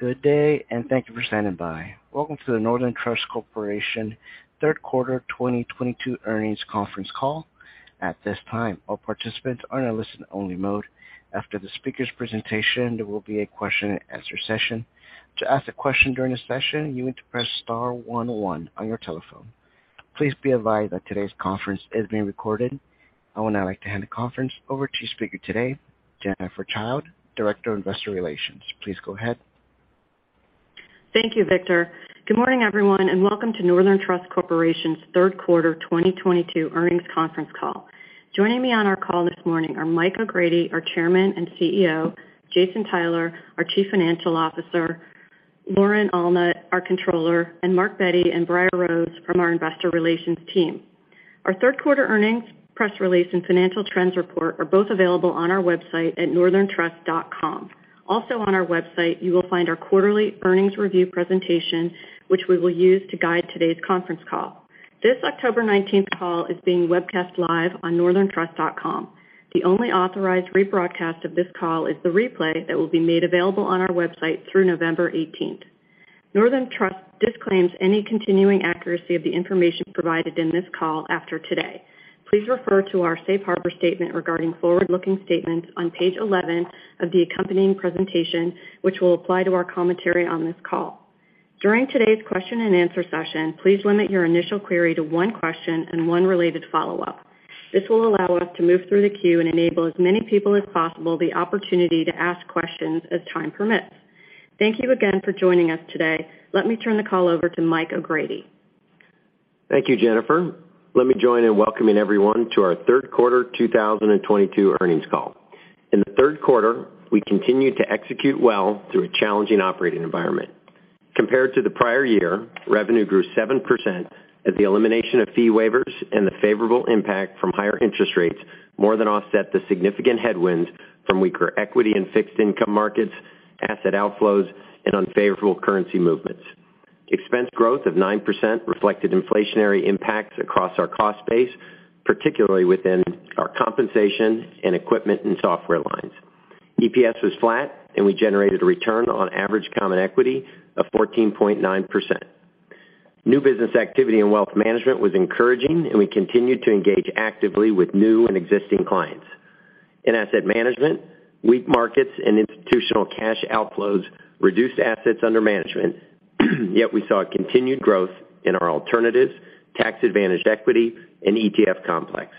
Good day, thank you for standing by. Welcome to the Northern Trust Corporation third quarter 2022 earnings conference call. At this time, all participants are in a listen-only mode. After the speaker's presentation, there will be a question-and-answer session. To ask a question during the session, you need to press star one on your telephone. Please be advised that today's conference is being recorded. I would now like to hand the conference over to speaker today, Jennifer Childe, Director of Investor Relations. Please go ahead. Thank you, Victor. Good morning, everyone, and welcome to Northern Trust Corporation's third quarter 2022 earnings conference call. Joining me on our call this morning are Michael O'Grady, our Chairman and CEO, Jason Tyler, our Chief Financial Officer, Lauren Allnutt, our Controller, and Mark Bette and Briar Rose from our investor relations team. Our third-quarter earnings press release and financial trends report are both available on our website at northerntrust.com. Also on our website, you will find our quarterly earnings review presentation, which we will use to guide today's conference call. This October nineteenth call is being webcast live on northerntrust.com. The only authorized rebroadcast of this call is the replay that will be made available on our website through November eighteenth. Northern Trust disclaims any continuing accuracy of the information provided in this call after today. Please refer to our safe harbor statement regarding forward-looking statements on page 11 of the accompanying presentation, which will apply to our commentary on this call. During today's question-and-answer session, please limit your initial query to one question and one related follow-up. This will allow us to move through the queue and enable as many people as possible the opportunity to ask questions as time permits. Thank you again for joining us today. Let me turn the call over to Michael O'Grady. Thank you, Jennifer. Let me join in welcoming everyone to our third quarter 2022 earnings call. In the third quarter, we continued to execute well through a challenging operating environment. Compared to the prior year, revenue grew 7% as the elimination of fee waivers and the favorable impact from higher interest rates more than offset the significant headwind from weaker equity and fixed income markets, asset outflows, and unfavorable currency movements. Expense growth of 9% reflected inflationary impacts across our cost base, particularly within our compensation, in equipment and software lines. EPS was flat, and we generated a return on average common equity of 14.9%. New business activity in wealth management was encouraging, and we continued to engage actively with new and existing clients. In asset management, weak markets and institutional cash outflows reduced assets under management, yet we saw a continued growth in our alternatives, tax-advantaged equity, and ETF complex.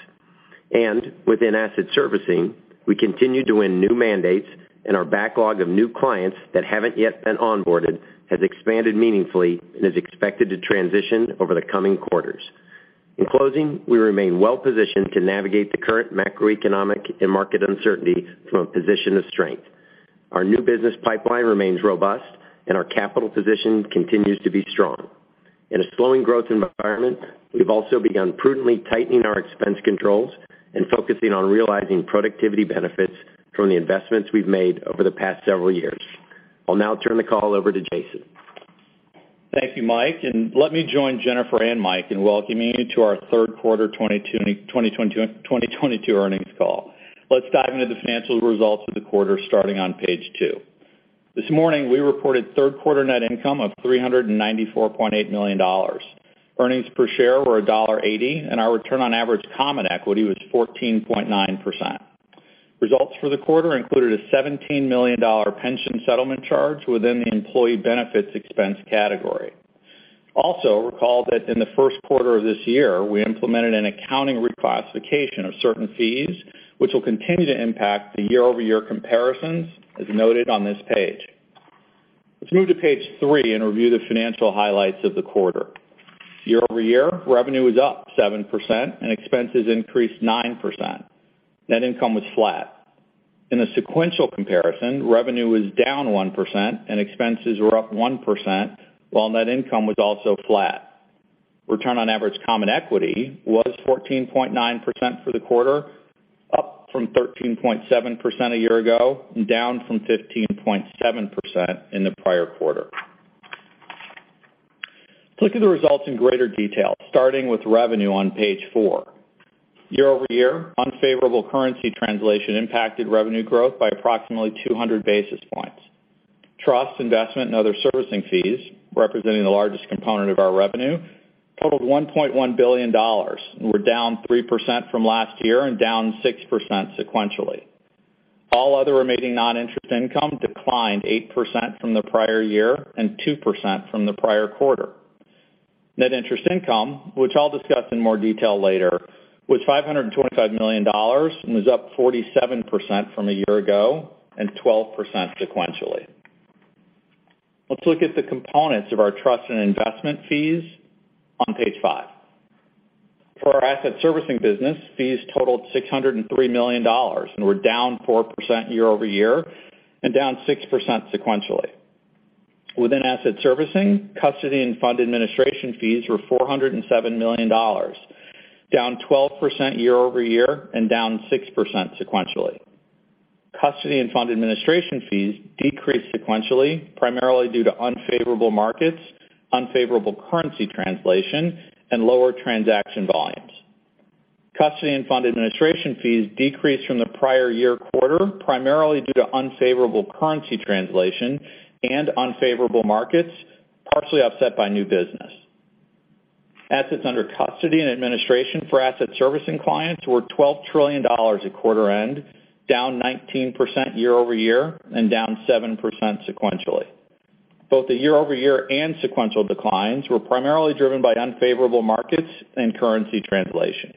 Within asset servicing, we continued to win new mandates, and our backlog of new clients that haven't yet been onboarded has expanded meaningfully and is expected to transition over the coming quarters. In closing, we remain well-positioned to navigate the current macroeconomic and market uncertainties from a position of strength. Our new business pipeline remains robust, and our capital position continues to be strong. In a slowing growth environment, we've also begun prudently tightening our expense controls and focusing on realizing productivity benefits from the investments we've made over the past several years. I'll now turn the call over to Jason. Thank you, Mike. Let me join Jennifer and Mike in welcoming you to our third quarter 2022 earnings call. Let's dive into the financial results of the quarter starting on page two. This morning, we reported third-quarter net income of $394.8 million. Earnings per share were $1.80, and our return on average common equity was 14.9%. Results for the quarter included a $17 million pension settlement charge within the employee benefits expense category. Also, recall that in the first quarter of this year, we implemented an accounting reclassification of certain fees which will continue to impact the year-over-year comparisons, as noted on this page. Let's move to page three and review the financial highlights of the quarter. Year-over-year, revenue was up 7% and expenses increased 9%. Net income was flat. In a sequential comparison, revenue was down 1% and expenses were up 1%, while net income was also flat. Return on average common equity was 14.9% for the quarter, up from 13.7% a year ago and down from 15.7% in the prior quarter. Let's look at the results in greater detail, starting with revenue on page four. Year-over-year, unfavorable currency translation impacted revenue growth by approximately 200 basis points. Trust, investment, and other servicing fees, representing the largest component of our revenue, totaled $1.1 billion and were down 3% from last year and down 6% sequentially. All other remaining non-interest income declined 8% from the prior year and 2% from the prior quarter. Net interest income, which I'll discuss in more detail later, was $525 million and was up 47% from a year ago and 12% sequentially. Let's look at the components of our trust and investment fees on page five. For our asset servicing business, fees totaled $603 million and were down 4% year-over-year and down 6% sequentially. Within asset servicing, custody and fund administration fees were $407 million, down 12% year-over-year and down 6% sequentially. Custody and fund administration fees decreased sequentially, primarily due to unfavorable markets, unfavorable currency translation, and lower transaction volumes. Custody and fund administration fees decreased from the prior year quarter, primarily due to unfavorable currency translation and unfavorable markets, partially offset by new business. Assets under custody and administration for asset servicing clients were $12 trillion at quarter-end, down 19% year-over-year and down 7% sequentially. Both the year-over-year and sequential declines were primarily driven by unfavorable markets and currency translation.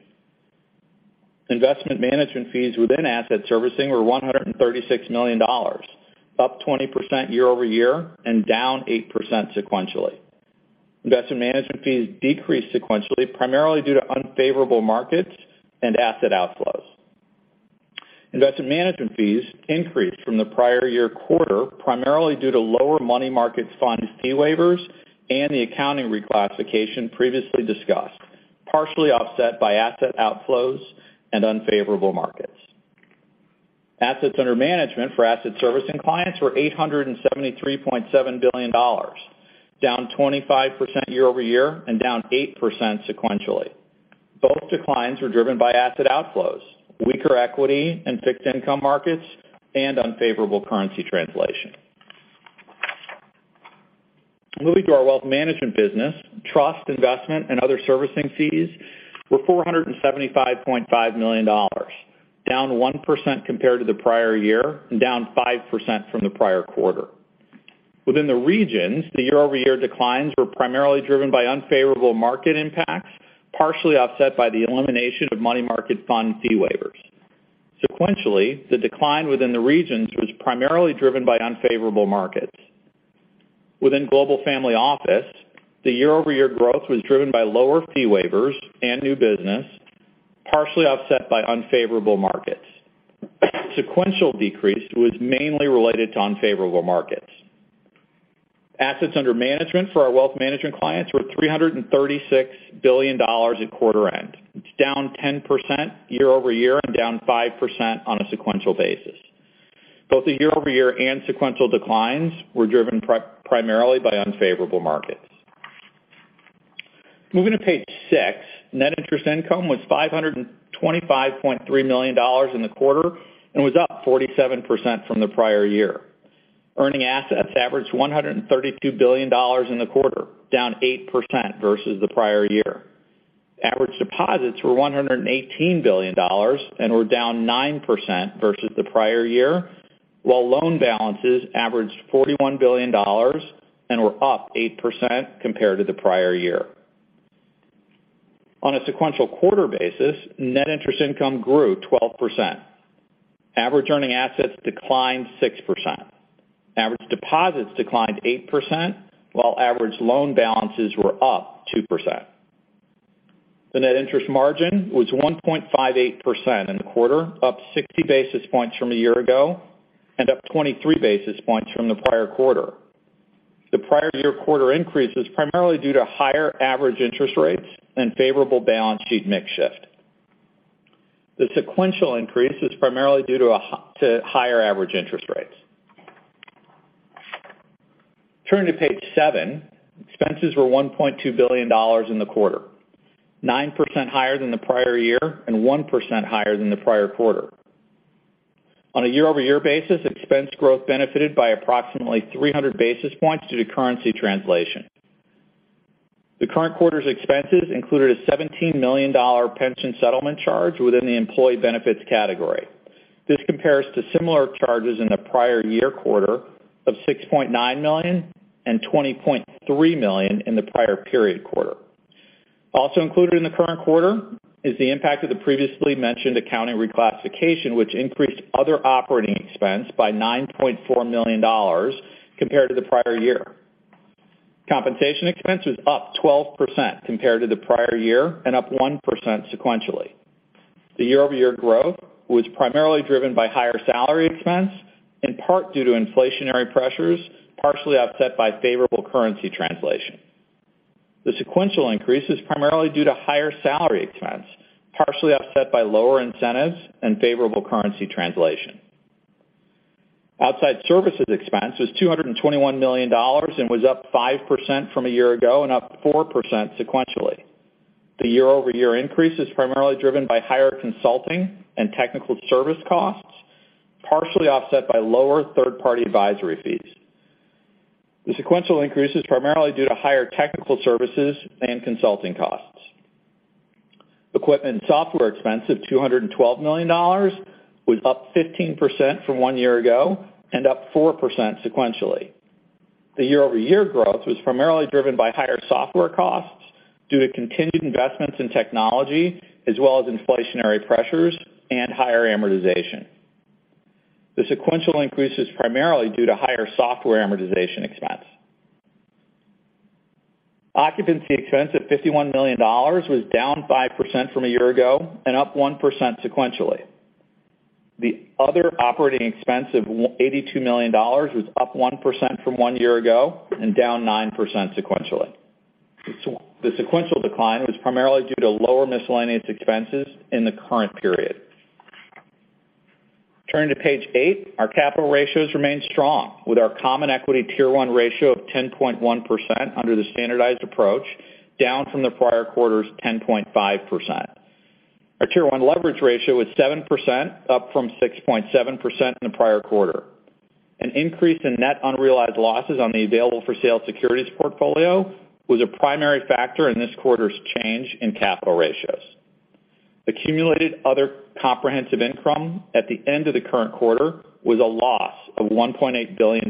Investment management fees within asset servicing were $136 million, up 20% year-over-year and down 8% sequentially. Investment management fees decreased sequentially, primarily due to unfavorable markets and asset outflows. Investment management fees increased from the prior year quarter, primarily due to lower money market funds fee waivers and the accounting reclassification previously discussed, partially offset by asset outflows and unfavorable markets. Assets under management for asset servicing clients were $873.7 billion, down 25% year-over-year and down 8% sequentially. Both declines were driven by asset outflows, weaker equity and fixed income markets, and unfavorable currency translation. Moving to our wealth management business, trust investment and other servicing fees were $475.5 million, down 1% compared to the prior year and down 5% from the prior quarter. Within the regions, the year-over-year declines were primarily driven by unfavorable market impacts, partially offset by the elimination of money market fund fee waivers. Sequentially, the decline within the regions was primarily driven by unfavorable markets. Within Global Family Office, the year-over-year growth was driven by lower fee waivers and new business, partially offset by unfavorable markets. Sequential decrease was mainly related to unfavorable markets. Assets under management for our wealth management clients were $336 billion at quarter-end. It's down 10% year-over-year and down 5% on a sequential basis. Both the year-over-year and sequential declines were driven primarily by unfavorable markets. Moving to page six. Net interest income was $525.3 million in the quarter and was up 47% from the prior year. Earning assets averaged $132 billion in the quarter, down 8% versus the prior year. Average deposits were $118 billion and were down 9% versus the prior year, while loan balances averaged $41 billion and were up 8% compared to the prior year. On a sequential quarter basis, net interest income grew 12%. Average earning assets declined 6%. Average deposits declined 8%, while average loan balances were up 2%. The net interest margin was 1.58% in the quarter, up 60 basis points from a year ago and up 23 basis points from the prior quarter. The prior-year quarter increase was primarily due to higher average interest rates and favorable balance sheet mix shift. The sequential increase is primarily due to higher average interest rates. Turning to page seven. Expenses were $1.2 billion in the quarter, 9% higher than the prior year and 1% higher than the prior quarter. On a year-over-year basis, expense growth benefited by approximately 300 basis points due to currency translation. The current quarter's expenses included a $17 million pension settlement charge within the employee benefits category. This compares to similar charges in the prior year quarter of $6.9 million and $20.3 million in the prior period quarter. Also included in the current quarter is the impact of the previously mentioned accounting reclassification, which increased other operating expense by $9.4 million compared to the prior year. Compensation expense was up 12% compared to the prior year and up 1% sequentially. The year-over-year growth was primarily driven by higher salary expense, in part due to inflationary pressures, partially offset by favorable currency translation. The sequential increase is primarily due to higher salary expense, partially offset by lower incentives and favorable currency translation. Outside services expense was $221 million and was up 5% from a year ago and up 4% sequentially. The year-over-year increase is primarily driven by higher consulting and technical service costs, partially offset by lower third-party advisory fees. The sequential increase is primarily due to higher technical services and consulting costs. Equipment and software expense of $212 million was up 15% from one year ago and up 4% sequentially. The year-over-year growth was primarily driven by higher software costs due to continued investments in technology, as well as inflationary pressures and higher amortization. The sequential increase is primarily due to higher software amortization expense. Occupancy expense at $51 million was down 5% from a year ago and up 1% sequentially. The other operating expense of $82 million was up 1% from one year ago and down 9% sequentially. The sequential decline was primarily due to lower miscellaneous expenses in the current period. Turning to page eight. Our capital ratios remain strong with our common equity Tier 1 ratio of 10.1% under the standardized approach, down from the prior quarter's 10.5%. Our Tier 1 leverage ratio is 7%, up from 6.7% in the prior quarter. An increase in net unrealized losses on the available-for-sale securities portfolio was a primary factor in this quarter's change in capital ratios. Accumulated other comprehensive income at the end of the current quarter was a loss of $1.8 billion,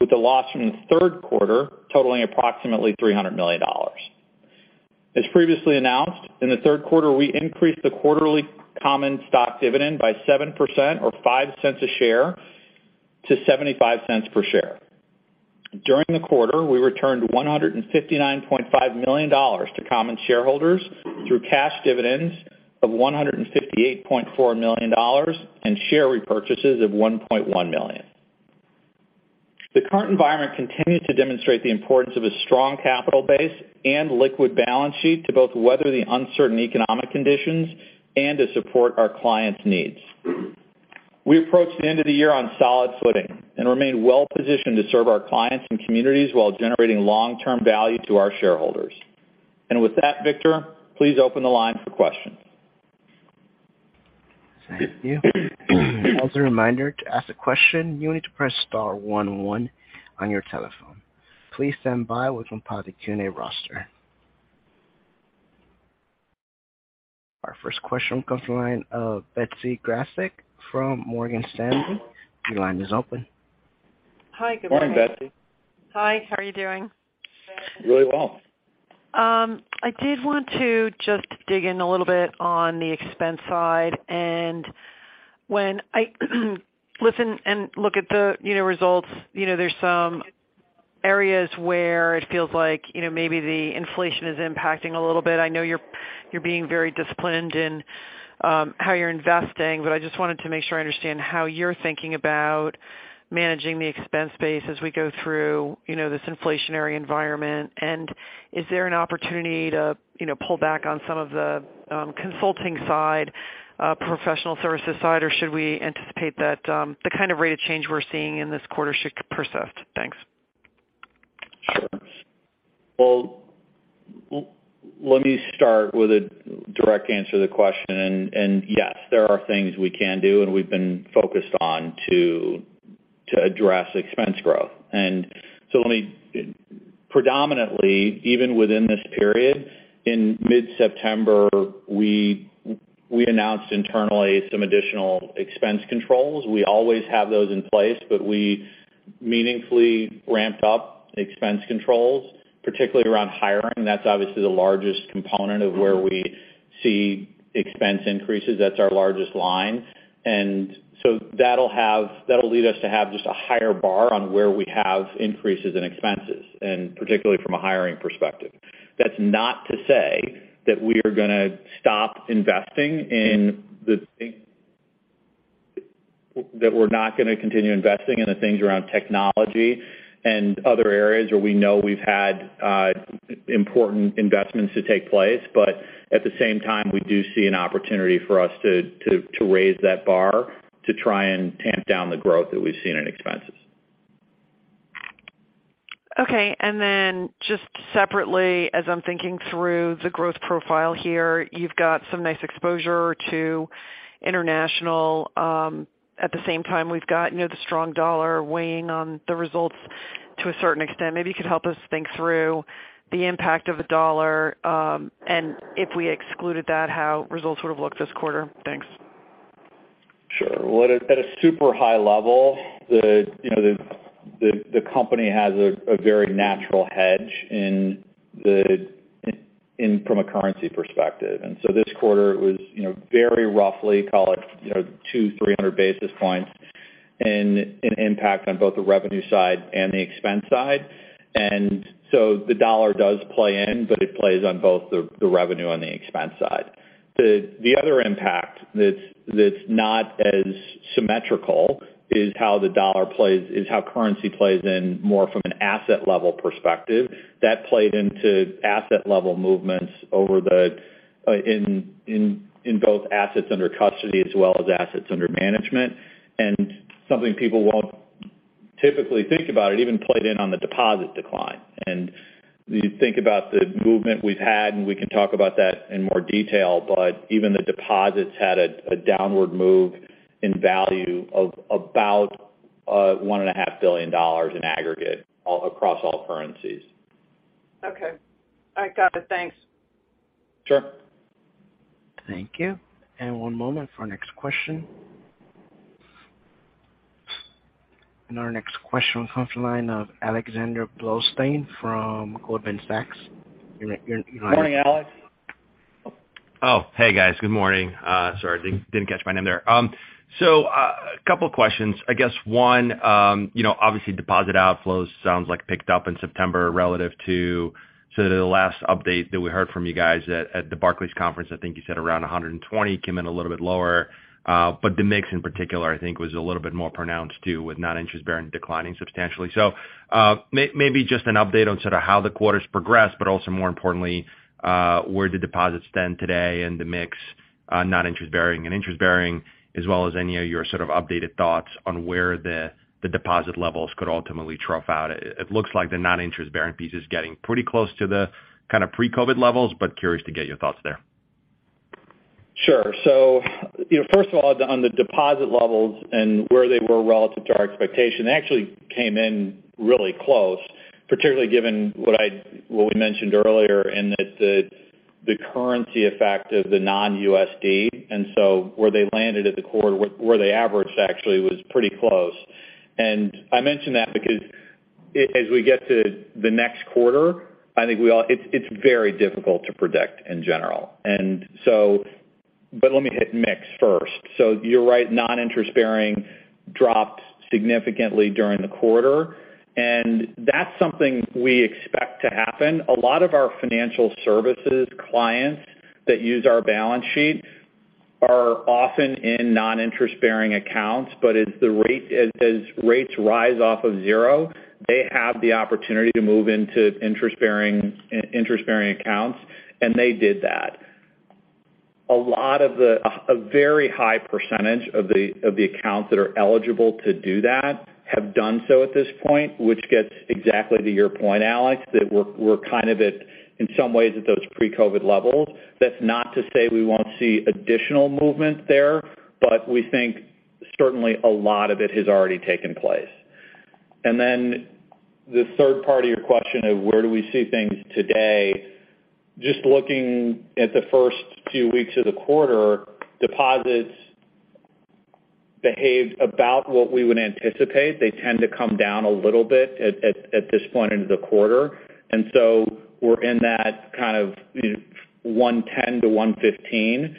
with the loss from the third quarter totaling approximately $300 million. As previously announced, in the third quarter, we increased the quarterly common stock dividend by 7% or $0.5 A share to $0.75 per share. During the quarter, we returned $159.5 million to common shareholders through cash dividends of $158.4 million and share repurchases of $1.1 million. The current environment continues to demonstrate the importance of a strong capital base and liquid balance sheet to both weather the uncertain economic conditions and to support our clients' needs. We approach the end of the year on solid footing and remain well-positioned to serve our clients and communities while generating long-term value to our shareholders. With that, Victor, please open the line for questions. Thank you. As a reminder, to ask a question, you need to press star one one on your telephone. Please stand by while we compile the Q&A roster. Our first question comes from the line of Betsy Graseck from Morgan Stanley. Your line is open. Hi. Good morning. Morning, Betsy. Hi. How are you doing? Really well. I did want to just dig in a little bit on the expense side. When I listen and look at the, you know, results, you know, there's some areas where it feels like, you know, maybe the inflation is impacting a little bit. I know you're being very disciplined in how you're investing, but I just wanted to make sure I understand how you're thinking about managing the expense base as we go through, you know, this inflationary environment. Is there an opportunity to, you know, pull back on some of the, consulting side, professional services side, or should we anticipate that, the kind of rate of change we're seeing in this quarter should persist? Thanks. Sure. Well, let me start with a direct answer to the question. Yes, there are things we can do, and we've been focused on to address expense growth. Predominantly, even within this period, in mid-September, we announced internally some additional expense controls. We always have those in place, but we meaningfully ramped up expense controls, particularly around hiring. That's obviously the largest component of where we see expense increases. That's our largest line. That'll lead us to have just a higher bar on where we have increases in expenses, and particularly from a hiring perspective. That's not to say that we are gonna stop investing in the thing. That we're not gonna continue investing in the things around technology and other areas where we know we've had important investments to take place. at the same time, we do see an opportunity for us to raise that bar to try and tamp down the growth that we've seen in expenses. Okay. Just separately, as I'm thinking through the growth profile here, you've got some nice exposure to international. At the same time, we've got, you know, the strong dollar weighing on the results to a certain extent. Maybe you could help us think through the impact of the dollar, and if we excluded that, how results would have looked this quarter. Thanks. Sure. Well, at a super high level, you know, the company has a very natural hedge from a currency perspective. This quarter was, you know, very roughly, call it, you know, 200-300 basis points in impact on both the revenue side and the expense side. The dollar does play in, but it plays on both the revenue and the expense side. The other impact that's not as symmetrical is how currency plays in more from an asset level perspective. That played into asset level movements in both assets under custody as well as assets under management. Something people won't typically think about, it even played in on the deposit decline. You think about the movement we've had, and we can talk about that in more detail, but even the deposits had a downward move in value of about $1.5 billion in aggregate across all currencies. Okay. I got it. Thanks. Sure. Thank you. One moment for our next question. Our next question comes from the line of Alexander Blostein from Goldman Sachs. Morning, Alex. Oh, hey, guys. Good morning. Sorry, didn't catch my name there. A couple questions. I guess one, you know, obviously deposit outflows sounds like picked up in September relative to sort of the last update that we heard from you guys at the Barclays conference. I think you said around $120, came in a little bit lower. The mix in particular I think was a little bit more pronounced too, with non-interest bearing declining substantially. Maybe just an update on sort of how the quarter's progressed, but also more importantly, where the deposits stand today and the mix, non-interest bearing and interest bearing, as well as any of your sort of updated thoughts on where the deposit levels could ultimately trough out. It looks like the non-interest bearing piece is getting pretty close to the kind of pre-COVID levels, but curious to get your thoughts there. Sure. You know, first of all, on the deposit levels and where they were relative to our expectation, they actually came in really close, particularly given what we mentioned earlier, and that the currency effect of the non-USD. Where they landed at the quarter, where they averaged actually was pretty close. I mention that because as we get to the next quarter, I think it's very difficult to predict in general. Let me hit mix first. You're right, non-interest bearing dropped significantly during the quarter, and that's something we expect to happen. A lot of our financial services clients that use our balance sheet are often in non-interest bearing accounts, but as rates rise off of zero, they have the opportunity to move into interest-bearing accounts, and they did that. A lot of the a very high percentage of the accounts that are eligible to do that have done so at this point, which gets exactly to your point, Alex, that we're kind of at, in some ways, at those pre-COVID levels. That's not to say we won't see additional movement there, but we think certainly a lot of it has already taken place. The third part of your question of where do we see things today, just looking at the first few weeks of the quarter, deposits behaved about what we would anticipate. They tend to come down a little bit at this point into the quarter. We're in that kind of 110-115.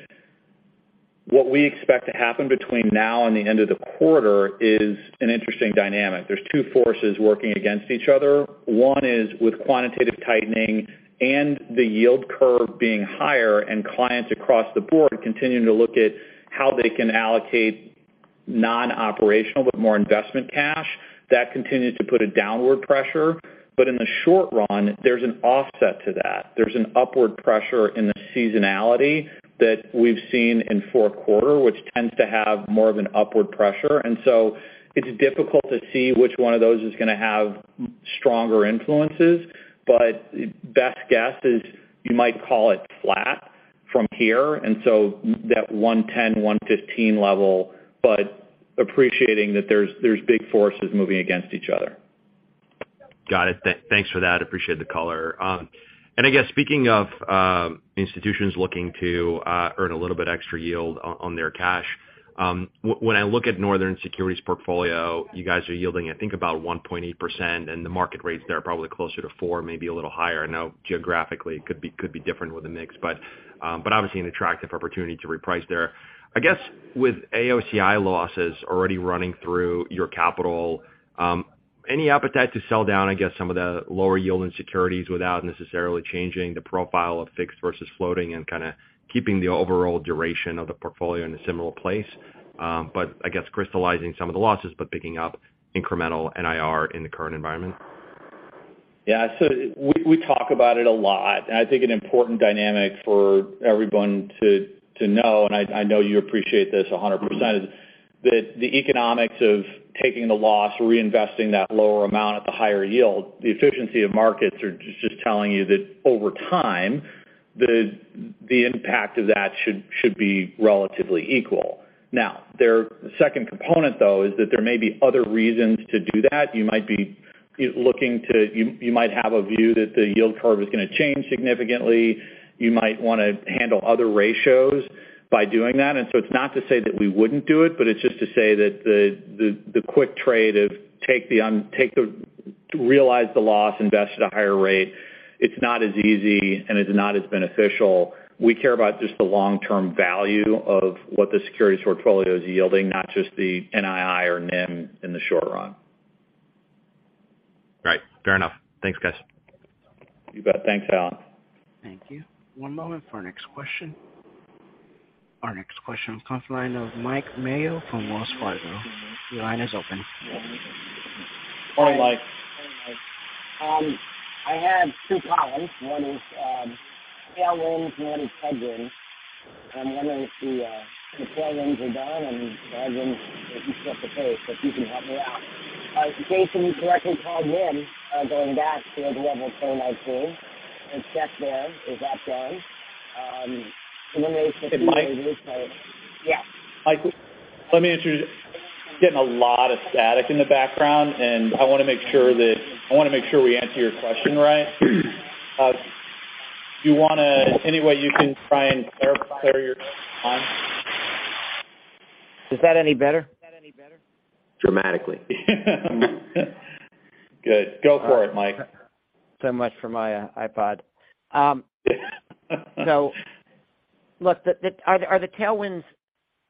What we expect to happen between now and the end of the quarter is an interesting dynamic. There's two forces working against each other. One is with quantitative tightening and the yield curve being higher and clients across the board continuing to look at how they can allocate non-operational but more investment cash. That continues to put a downward pressure. In the short run, there's an offset to that. There's an upward pressure in the seasonality that we've seen in fourth quarter, which tends to have more of an upward pressure. It's difficult to see which one of those is gonna have stronger influences. Best guess is you might call it flat from here, and so that 1.10%-1.15% level, but appreciating that there's big forces moving against each other. Got it. Thanks for that. Appreciate the color. I guess speaking of institutions looking to earn a little bit extra yield on their cash, when I look at Northern Trust securities portfolio, you guys are yielding I think about 1.8%, and the market rates there are probably closer to 4%, maybe a little higher. I know geographically it could be different with the mix, but obviously an attractive opportunity to reprice there. I guess with AOCI losses already running through your capital, any appetite to sell down, I guess, some of the lower yielding securities without necessarily changing the profile of fixed versus floating and kinda keeping the overall duration of the portfolio in a similar place? I guess crystallizing some of the losses but picking up incremental NIR in the current environment. Yeah. We talk about it a lot. I think an important dynamic for everyone to know, and I know you appreciate this 100%, is that the economics of taking the loss, reinvesting that lower amount at the higher yield, the efficiency of markets are just telling you that over time, the impact of that should be relatively equal. The second component, though, is that there may be other reasons to do that. You might be looking to. You might have a view that the yield curve is gonna change significantly. You might wanna handle other ratios by doing that. It's not to say that we wouldn't do it, but it's just to say that the quick trade to realize the loss, invest at a higher rate, it's not as easy and is not as beneficial. We care about just the long-term value of what the securities portfolio is yielding, not just the NII or NIM in the short run. Right. Fair enough. Thanks, guys. You bet. Thanks, Alex. Thank you. One moment for our next question. Our next question comes from the line of Mike Mayo from Wells Fargo. Your line is open. Hi, Mike. I have two problems. One is tailwinds and one is headwinds. I'm wondering if the tailwinds are done and the headwinds, if you still have to pay. If you can help me out. Jason, you correctly called NIM going back to the level of 2019 and checked there. Is that done? In relation to- Hey, Mike? Yeah. Mike, I'm getting a lot of static in the background, and I wanna make sure we answer your question right. Any way you can try and clarify your line? Is that any better? Dramatically. Good. Go for it, Mike. Much for my iPod. Look, are the tailwinds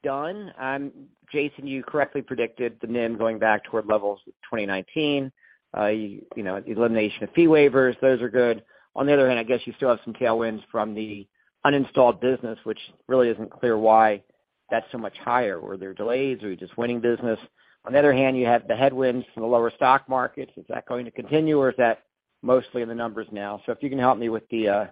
done? Jason, you correctly predicted the NIM going back toward levels of 2019. You know, the elimination of fee waivers, those are good. On the other hand, I guess you still have some tailwinds from the institutional business, which really isn't clear why that's so much higher. Were there delays? Are you just winning business? On the other hand, you have the headwinds from the lower stock markets. Is that going to continue, or is that mostly in the numbers now? If you can help me with the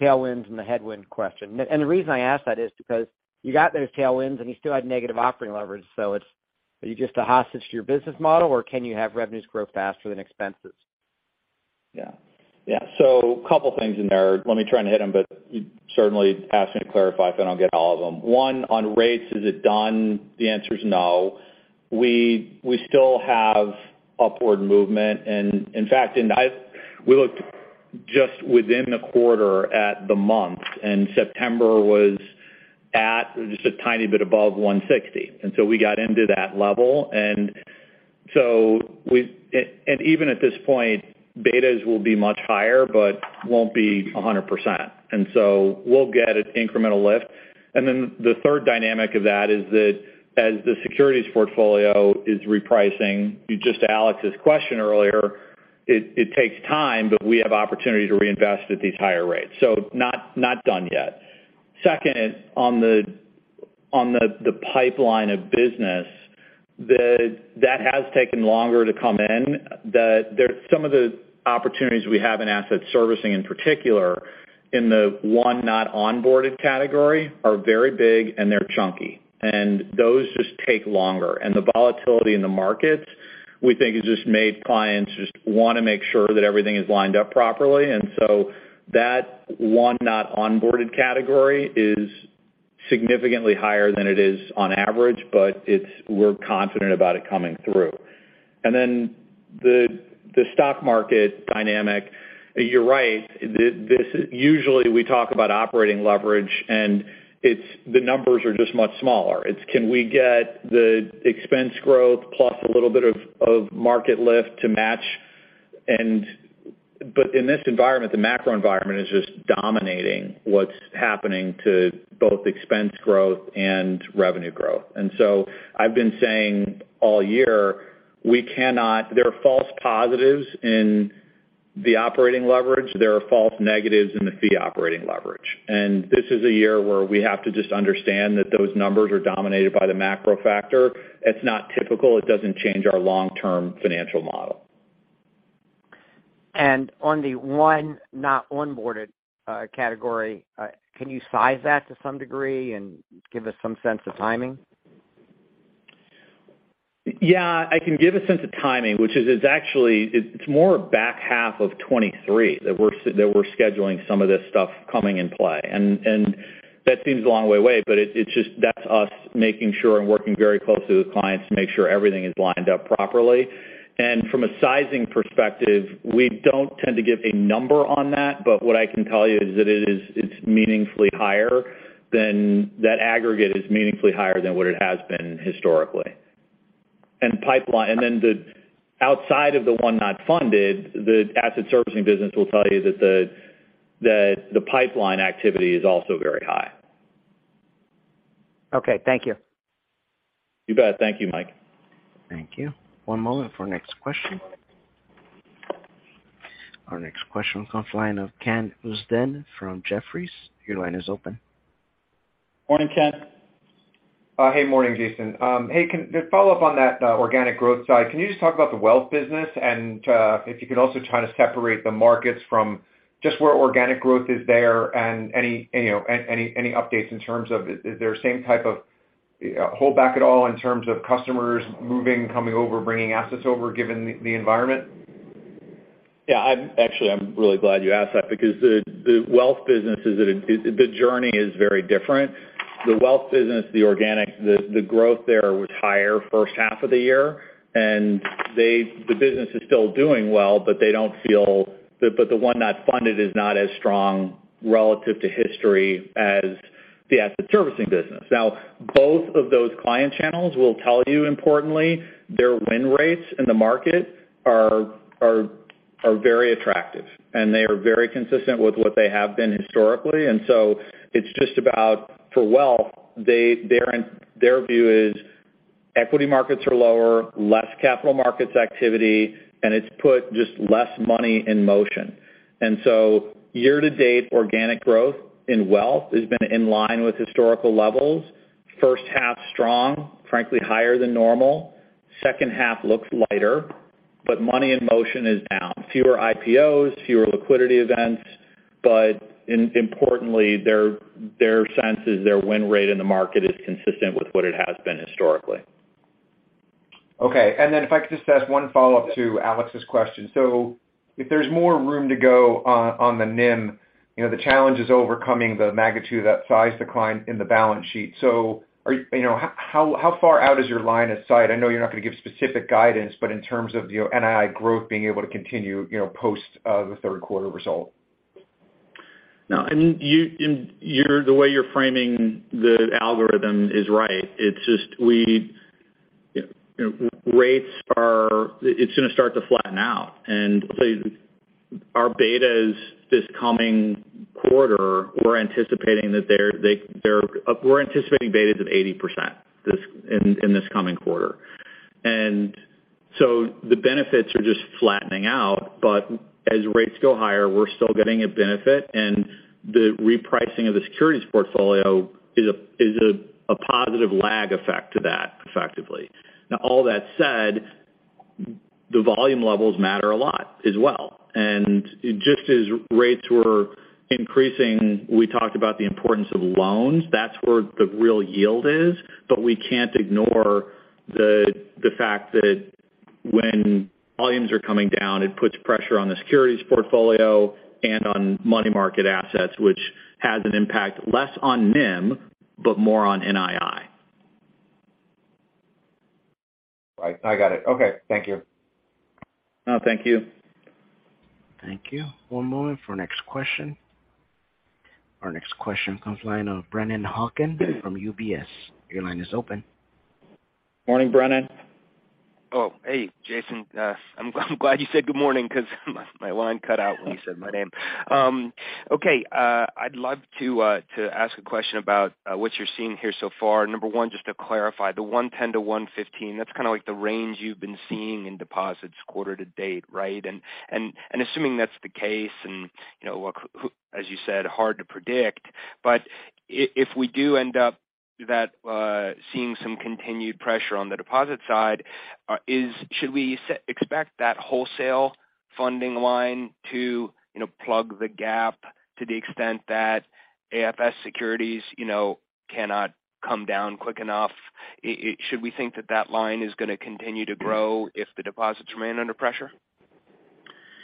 tailwinds and the headwind question. The reason I ask that is because you got those tailwinds and you still had negative operating leverage. Are you just a hostage to your business model, or can you have revenues grow faster than expenses? Yeah. Couple things in there. Let me try and hit them, but you certainly ask me to clarify if I don't get all of them. One, on rates, is it done? The answer is no. We still have upward movement. In fact, we looked just within the quarter at the month, and September was at just a tiny bit above 160. We got into that level. Even at this point, betas will be much higher but won't be 100%. We'll get an incremental lift. The third dynamic of that is that as the securities portfolio is repricing, as in Alexander Blostein's question earlier, it takes time, but we have opportunity to reinvest at these higher rates. Not done yet. Second is on the pipeline of business that has taken longer to come in. Some of the opportunities we have in asset servicing, in particular, in the one not onboarded category, are very big, and they're chunky. Those just take longer. The volatility in the markets, we think, has just made clients wanna make sure that everything is lined up properly. That one not onboarded category is significantly higher than it is on average, but we're confident about it coming through. The stock market dynamic, you're right. Usually, we talk about operating leverage, and the numbers are just much smaller. It's can we get the expense growth plus a little bit of market lift to match? In this environment, the macro environment is just dominating what's happening to both expense growth and revenue growth. I've been saying all year. There are false positives in the operating leverage. There are false negatives in the fee operating leverage. This is a year where we have to just understand that those numbers are dominated by the macro factor. It's not typical. It doesn't change our long-term financial model. On the one not onboarded, category, can you size that to some degree and give us some sense of timing? Yeah. I can give a sense of timing, which is it's actually more back half of 2023 that we're scheduling some of this stuff coming in play. That seems a long way away, but it's just that's us making sure and working very closely with clients to make sure everything is lined up properly. From a sizing perspective, we don't tend to give a number on that, but what I can tell you is that it's meaningfully higher. That aggregate is meaningfully higher than what it has been historically. Outside of the one not funded, the asset servicing business will tell you that the pipeline activity is also very high. Okay. Thank you. You bet. Thank you, Mike. Thank you. One moment for next question. Our next question comes from the line of Ken Usdin from Jefferies. Your line is open. Morning, Ken. Hey. Morning, Jason. Just follow up on that, organic growth side. Can you just talk about the wealth business? If you could also try to separate the markets from just where organic growth is there and any, you know, updates in terms of is there same type of, you know, hold back at all in terms of customers moving, coming over, bringing assets over, given the environment? Yeah. Actually, I'm really glad you asked that because the wealth business. The journey is very different. The wealth business, the organic growth there was higher first half of the year, and the business is still doing well, but the one not funded is not as strong relative to history as the asset servicing business. Now, both of those client channels will tell you importantly, their win rates in the market are very attractive, and they are very consistent with what they have been historically. It's just about, for wealth, their view is equity markets are lower, less capital markets activity, and it's put just less money in motion. Year to date, organic growth in wealth has been in line with historical levels. First half strong, frankly higher than normal. Second half looks lighter, but money in motion is down. Fewer IPOs, fewer liquidity events. Importantly, their sense is their win rate in the market is consistent with what it has been historically. Okay. If I could just ask one follow-up to Alex's question. If there's more room to go on the NIM, you know, the challenge is overcoming the magnitude of that size decline in the balance sheet. Are, you know, how far out is your line of sight? I know you're not gonna give specific guidance, but in terms of, you know, NII growth being able to continue, you know, post the third quarter result. No. The way you're framing the algorithm is right. It's just, you know, rates are gonna start to flatten out. We're anticipating betas of 80% in this coming quarter. The benefits are just flattening out. As rates go higher, we're still getting a benefit, and the repricing of the securities portfolio is a positive lag effect to that, effectively. Now all that said, the volume levels matter a lot as well. Just as rates were increasing, we talked about the importance of loans. That's where the real yield is, but we can't ignore the fact that when volumes are coming down, it puts pressure on the securities portfolio and on money market assets, which has an impact less on NIM, but more on NII. Right. I got it. Okay. Thank you. No, thank you. Thank you. One moment for the next question. Our next question comes from the line of Brennan Hawken from UBS. Your line is open. Morning, Brennan. Oh, hey, Jason. I'm glad you said good morning because my line cut out when you said my name. Okay. I'd love to ask a question about what you're seeing here so far. Number one, just to clarify, the 110-115, that's kind of like the range you've been seeing in deposits quarter-to-date, right? Assuming that's the case, you know, look, as you said, hard to predict. If we do end up seeing some continued pressure on the deposit side, should we expect that wholesale funding line to, you know, plug the gap to the extent that AFS securities cannot come down quick enough? Should we think that line is gonna continue to grow if the deposits remain under pressure?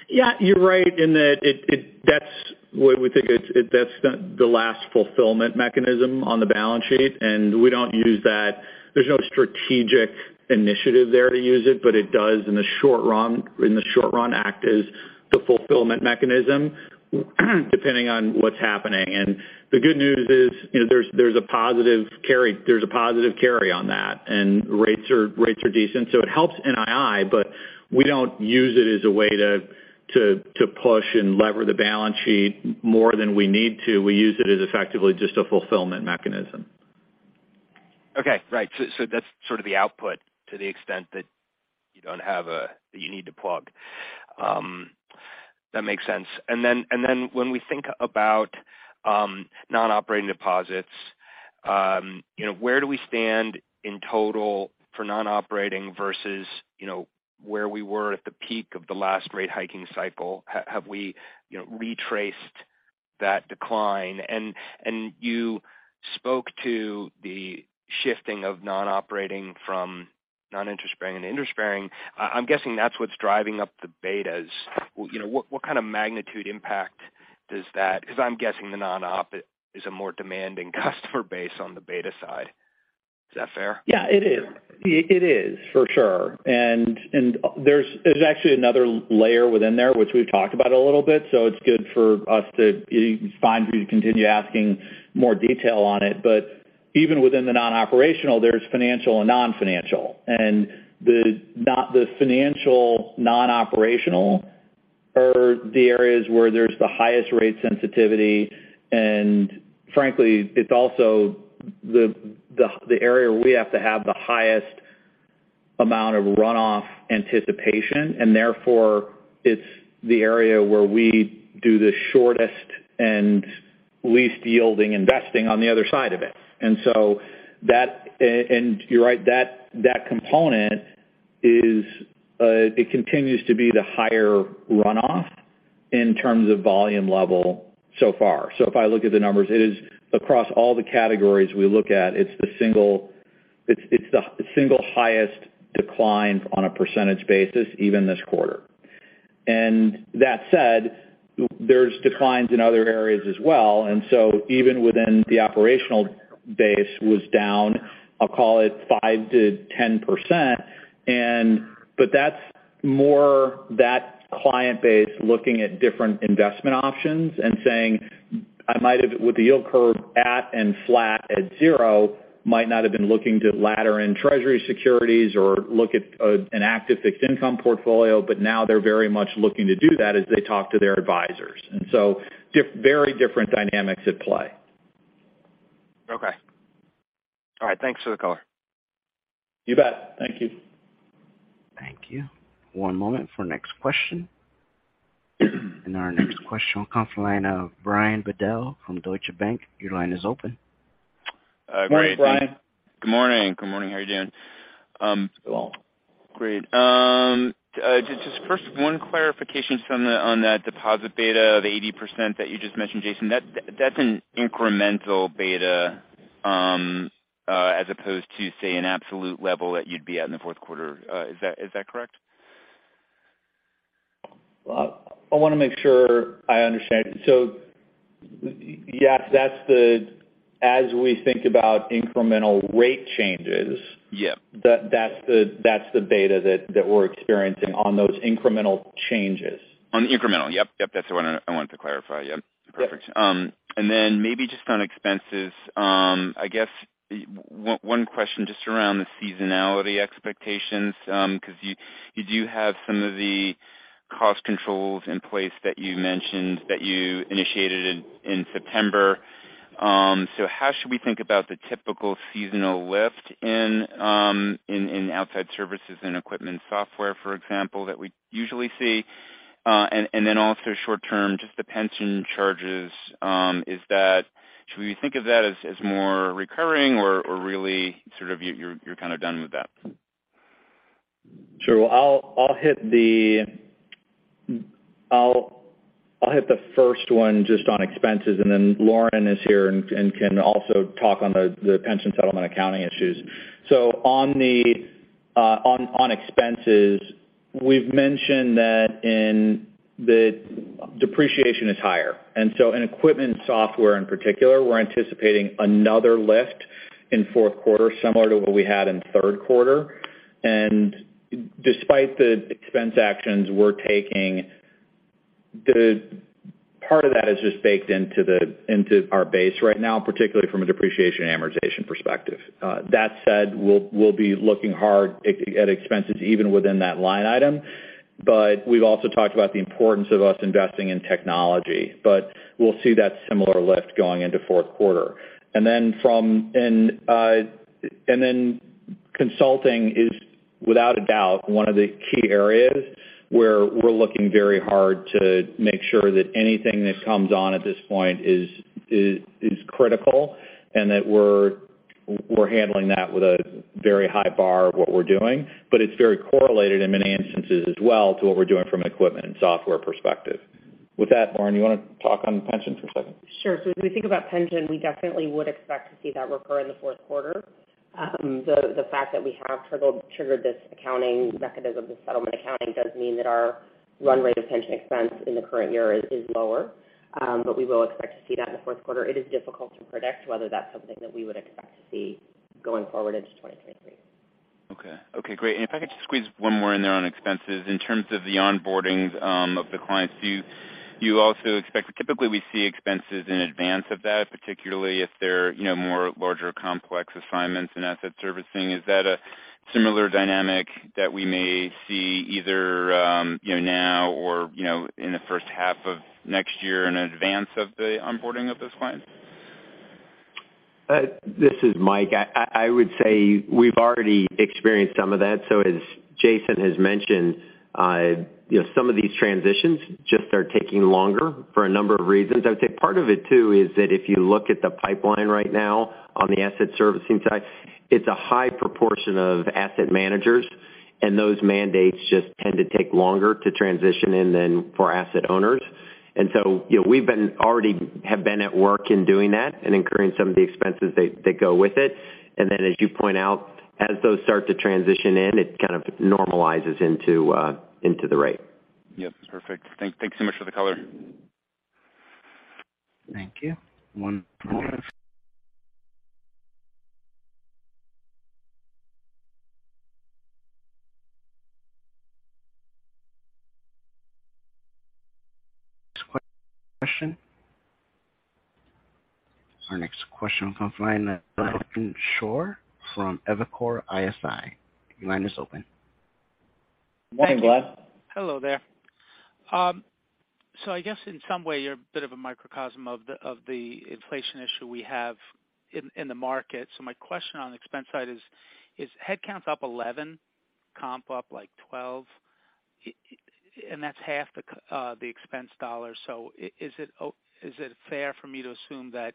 Yeah, you're right in that. That's what we think it is. That's the last funding mechanism on the balance sheet, and we don't use that. There's no strategic initiative there to use it, but it does in the short run act as the funding mechanism, depending on what's happening. The good news is, you know, there's a positive carry on that, and rates are decent. It helps NII, but we don't use it as a way to push and leverage the balance sheet more than we need to. We use it as effectively just a funding mechanism. Okay. Right. That's sort of the output to the extent that you don't have that you need to plug. That makes sense. When we think about non-operating deposits, you know, where do we stand in total for non-operating versus, you know, where we were at the peak of the last rate hiking cycle? Have we, you know, retraced that decline? You spoke to the shifting of non-operating from non-interest bearing and interest bearing. I'm guessing that's what's driving up the betas. Well, you know, what kind of magnitude impact does that. Because I'm guessing the non-op is a more demanding customer base on the beta side. Is that fair? Yeah, it is. It is, for sure. There's actually another layer within there, which we've talked about a little bit, so it's fine for you to continue asking more detail on it. Even within the non-operational, there's financial and non-financial. The financial non-operational are the areas where there's the highest rate sensitivity. Frankly, it's also the area where we have to have the highest amount of runoff anticipation, and therefore, it's the area where we do the shortest and least yielding investing on the other side of it. You're right, that component continues to be the higher runoff in terms of volume level so far. If I look at the numbers, it is across all the categories we look at, it's the single highest decline on a percentage basis, even this quarter. That said, there's declines in other areas as well. Even within the operational base was down, I'll call it 5%-10%. But that's more that client base looking at different investment options and saying, "I might have with the yield curve inverted and flat at zero, might not have been looking to ladder in Treasury securities or look at an active fixed income portfolio," but now they're very much looking to do that as they talk to their advisors. Very different dynamics at play. Okay. All right. Thanks for the color. You bet. Thank you. Thank you. One moment for next question. Our next question will come from the line of Brian Bedell from Deutsche Bank. Your line is open. Great. Morning, Brian. Good morning. Good morning. How are you doing? Well. Great. Just first, one clarification on that deposit beta of 80% that you just mentioned, Jason. That's an incremental beta as opposed to, say, an absolute level that you'd be at in the fourth quarter. Is that correct? Well, I wanna make sure I understand. Yes, as we think about incremental rate changes. Yeah That's the beta that we're experiencing on those incremental changes. On incremental. Yep. That's what I wanted to clarify. Yep. Yep. Perfect. Maybe just on expenses, I guess one question just around the seasonality expectations, because you do have some of the cost controls in place that you mentioned that you initiated in September. How should we think about the typical seasonal lift in outside services and equipment software, for example, that we usually see? Also short term, just the pension charges. Should we think of that as more recurring or really sort of you're kind of done with that? Sure. I'll hit the I'll hit the first one just on expenses, and then Lauren is here and can also talk on the pension settlement accounting issues. On the expenses, we've mentioned that the depreciation is higher. In equipment and software in particular, we're anticipating another lift in fourth quarter, similar to what we had in third quarter. Despite the expense actions we're taking, the part of that is just baked into our base right now, particularly from a depreciation and amortization perspective. That said, we'll be looking hard at expenses even within that line item. We've also talked about the importance of us investing in technology. We'll see that similar lift going into fourth quarter. consulting is without a doubt one of the key areas where we're looking very hard to make sure that anything that comes on at this point is critical and that we're handling that with a very high bar of what we're doing. It's very correlated in many instances as well to what we're doing from an equipment and software perspective. With that, Lauren, you wanna talk on pension for a second? When we think about pension, we definitely would expect to see that recur in the fourth quarter. The fact that we have triggered this accounting mechanism, this settlement accounting, does mean that our run rate of pension expense in the current year is lower. We will expect to see that in the fourth quarter. It is difficult to predict whether that's something that we would expect to see going forward into 2023. Okay. Okay, great. If I could just squeeze one more in there on expenses. In terms of the onboardings, of the clients, do you also expect? Typically, we see expenses in advance of that, particularly if they're, you know, more larger, complex assignments in asset servicing. Is that a similar dynamic that we may see either, you know, now or, you know, in the first half of next year in advance of the onboarding of those clients? This is Mike. I would say we've already experienced some of that. As Jason has mentioned, you know, some of these transitions just are taking longer for a number of reasons. I would say part of it, too, is that if you look at the pipeline right now on the asset servicing side, it's a high proportion of asset managers, and those mandates just tend to take longer to transition in than for asset owners. You know, we've already been at work in doing that and incurring some of the expenses that go with it. As you point out, as those start to transition in, it kind of normalizes into the rate. Yes. Perfect. Thank you so much for the color. Thank you. One more question. Our next question comes from Glenn Schorr from Evercore ISI. Your line is open. Morning, Glenn. Hello there. I guess in some way you're a bit of a microcosm of the inflation issue we have in the market. My question on the expense side is headcount up 11, comp up, like, 12. And that's half the expense dollar. Is it fair for me to assume that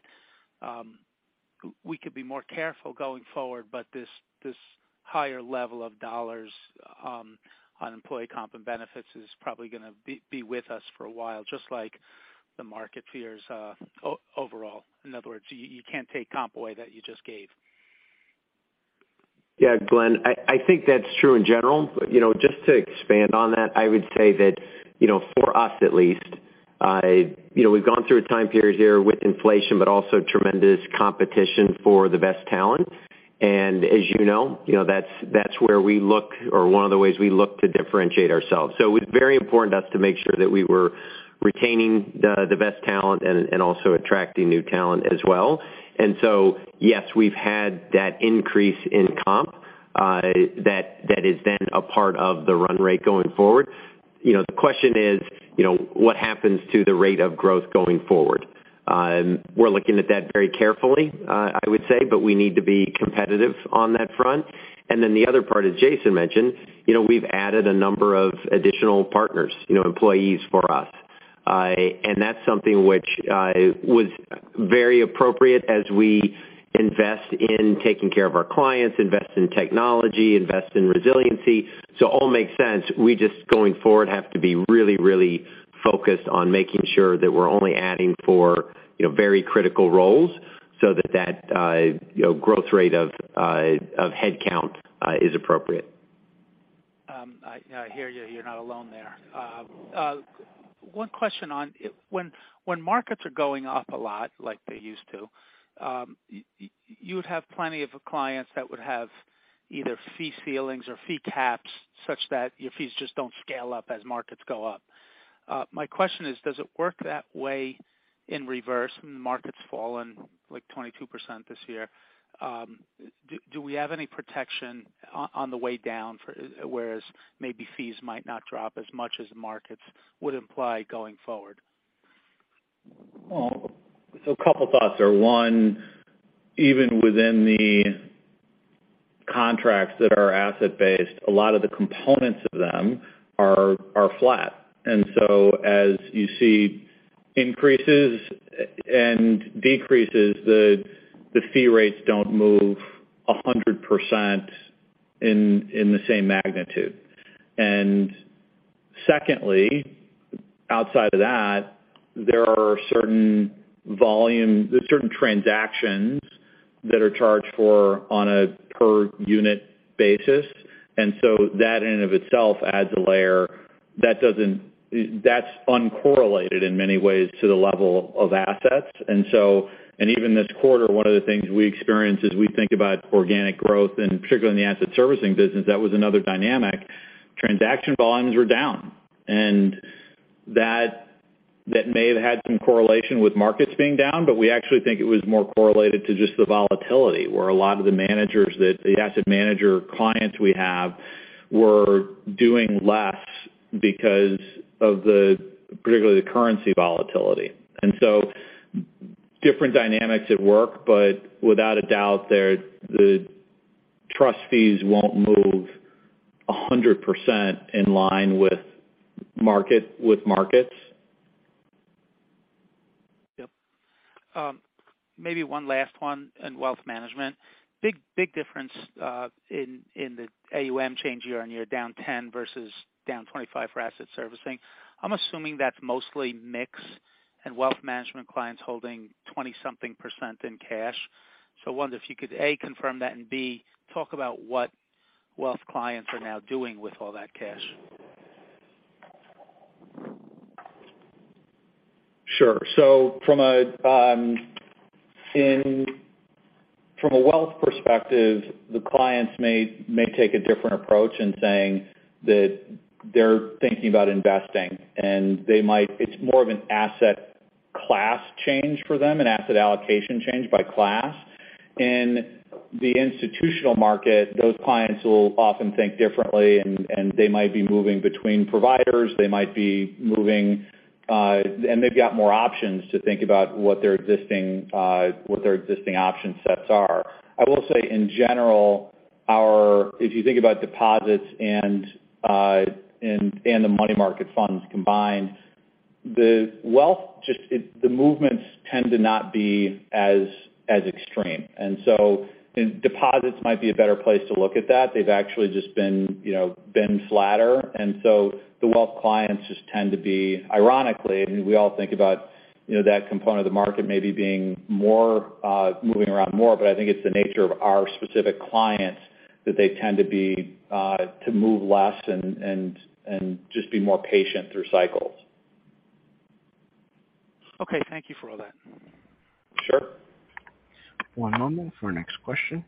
we could be more careful going forward, but this higher level of dollars on employee comp and benefits is probably gonna be with us for a while, just like the market fears overall? In other words, you can't take comp away that you just gave. Yeah, Glenn, I think that's true in general. You know, just to expand on that, I would say that, you know, for us at least. You know, we've gone through a time period here with inflation, but also tremendous competition for the best talent. As you know, you know, that's where we look or one of the ways we look to differentiate ourselves. It was very important to us to make sure that we were retaining the best talent and also attracting new talent as well. Yes, we've had that increase in comp that is then a part of the run rate going forward. You know, the question is, you know, what happens to the rate of growth going forward? We're looking at that very carefully, I would say, but we need to be competitive on that front. Then the other part, as Jason mentioned, you know, we've added a number of additional partners, you know, employees for us. That's something which was very appropriate as we invest in taking care of our clients, invest in technology, invest in resiliency. All makes sense. We just going forward have to be really, really focused on making sure that we're only adding for, you know, very critical roles so that that growth rate of headcount is appropriate. I hear you. You're not alone there. One question on when markets are going up a lot like they used to, you would have plenty of clients that would have either fee ceilings or fee caps such that your fees just don't scale up as markets go up. My question is, does it work that way in reverse when the market's fallen like 22% this year? Do we have any protection on the way down for whereas maybe fees might not drop as much as the markets would imply going forward? Well, a couple thoughts there. One, even within the contracts that are asset-based, a lot of the components of them are flat. As you see increases and decreases, the fee rates don't move 100% in the same magnitude. Secondly, outside of that, there are certain transactions that are charged for on a per unit basis. That in and of itself adds a layer that's uncorrelated in many ways to the level of assets. Even this quarter, one of the things we experienced as we think about organic growth, and particularly in the asset servicing business, that was another dynamic. Transaction volumes were down, and that may have had some correlation with markets being down, but we actually think it was more correlated to just the volatility, where a lot of the managers that the asset manager clients we have were doing less because of the, particularly the currency volatility. Different dynamics at work, but without a doubt there, the trust fees won't move 100% in line with markets. Yep. Maybe one last one in wealth management. Big difference in the AUM change year-over-year, down 10% versus down 25% for asset servicing. I'm assuming that's mostly mix and wealth management clients holding 20-something% in cash. I wonder if you could, A, confirm that, and B, talk about what wealth clients are now doing with all that cash. Sure. From a wealth perspective, the clients may take a different approach in saying that they're thinking about investing, and they might. It's more of an asset class change for them, an asset allocation change by class. In the institutional market, those clients will often think differently and they might be moving between providers, and they've got more options to think about what their existing option sets are. I will say in general, if you think about deposits and the money market funds combined, the wealth, the movements tend to not be as extreme. Deposits might be a better place to look at that. They've actually just been, you know, flatter. The wealth clients just tend to be, ironically, I mean, we all think about, you know, that component of the market maybe being more, moving around more, but I think it's the nature of our specific clients that they tend to be, to move less and just be more patient through cycles. Okay. Thank you for all that. Sure. One moment for our next question.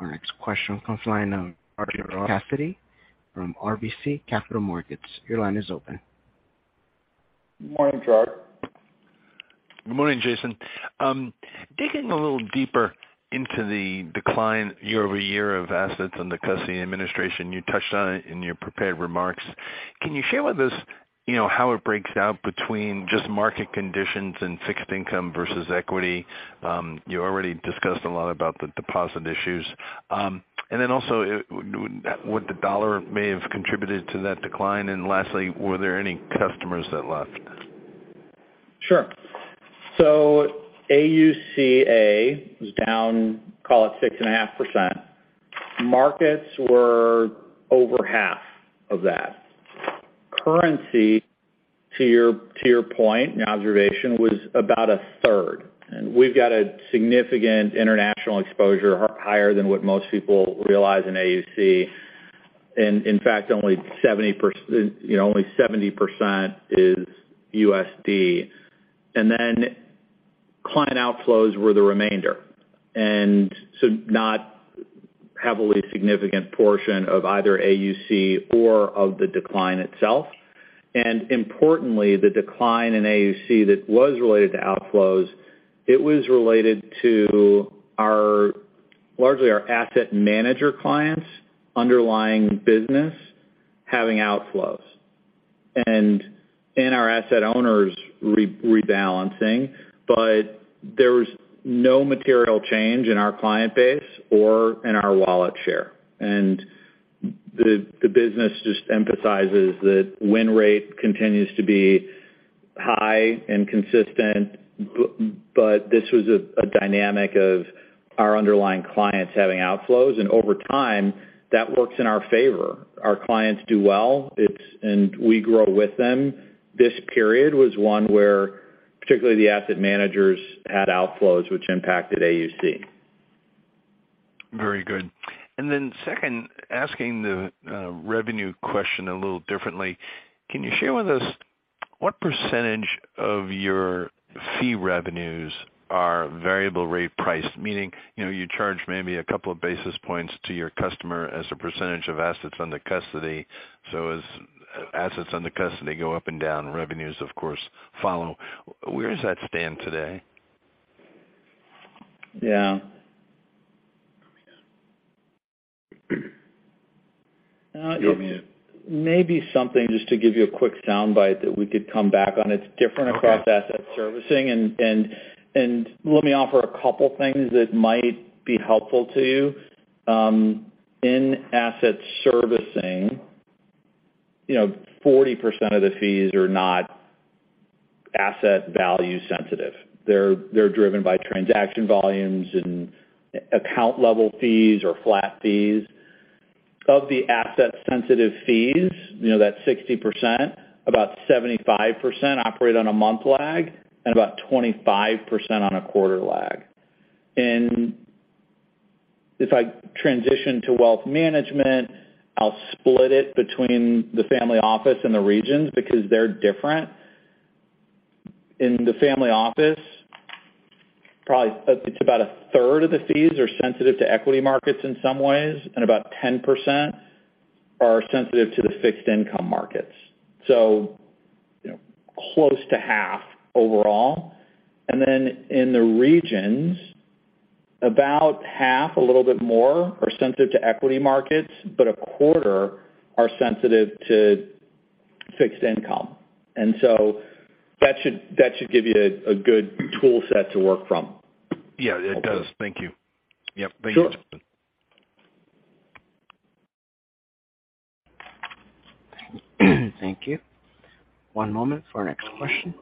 Our next question comes from the line of Gerard Cassidy from RBC Capital Markets. Your line is open. Morning, Gerard. Good morning, Jason. Digging a little deeper into the decline year-over-year of assets under custody and administration, you touched on it in your prepared remarks. Can you share with us, you know, how it breaks out between just market conditions and fixed income versus equity? You already discussed a lot about the deposit issues. Also would the dollar have contributed to that decline? Lastly, were there any customers that left? Sure. AUCA was down, call it 6.5%. Markets were over half of that. Currency, to your point and observation, was about a third. We've got a significant international exposure, higher than what most people realize in AUC. In fact, only 70% is USD. Then client outflows were the remainder, and so not heavily significant portion of either AUC or of the decline itself. Importantly, the decline in AUC that was related to outflows, it was related to our, largely our asset manager clients' underlying business having outflows and our asset owners rebalancing. There was no material change in our client base or in our wallet share. The business just emphasizes that win rate continues to be high and consistent, but this was a dynamic of our underlying clients having outflows, and over time, that works in our favor. Our clients do well. It's. We grow with them. This period was one where particularly the asset managers had outflows which impacted AUC. Very good. Second, asking the revenue question a little differently, can you share with us what percentage of your fee revenues are variable rate price? Meaning, you know, you charge maybe a couple of basis points to your customer as a percentage of assets under custody. As assets under custody go up and down, revenues, of course, follow. Where does that stand today? Yeah. I mean, it may be something just to give you a quick soundbite that we could come back on. Okay. Across asset servicing. Let me offer a couple things that might be helpful to you. In asset servicing, you know, 40% of the fees are not asset value sensitive. They're driven by transaction volumes and account level fees or flat fees. Of the asset-sensitive fees, you know, that 60%, about 75% operate on a month lag and about 25% on a quarter lag. If I transition to wealth management, I'll split it between the family office and the regions because they're different. In the family office, probably it's about a third of the fees are sensitive to equity markets in some ways, and about 10% are sensitive to the fixed income markets. You know, close to half overall. In the regions, about half, a little bit more are sensitive to equity markets, but a quarter are sensitive to fixed income. That should give you a good tool set to work from. Yeah, it does. Thank you. Yeah, thanks. Sure. Thank you. One moment for our next question.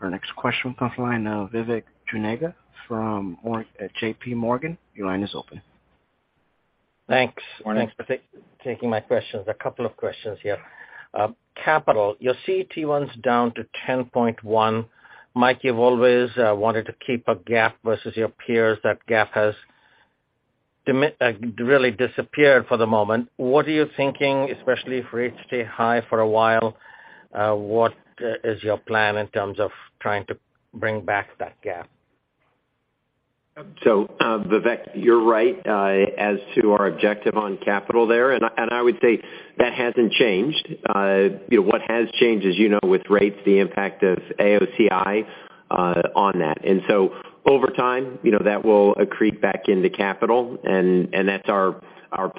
Our next question comes from the line of Vivek Juneja from JP Morgan. Your line is open. Thanks. Morning. Thanks for taking my questions. A couple of questions here. Capital. Your CET1 is down to 10.1%. Mike, you've always wanted to keep a gap versus your peers. That gap has really disappeared for the moment. What are you thinking, especially if rates stay high for a while, what is your plan in terms of trying to bring back that gap? Vivek, you're right, as to our objective on capital there. I would say that hasn't changed. You know, what has changed is, you know, with rates, the impact of AOCI on that. Over time, you know, that will accrete back into capital, and that's our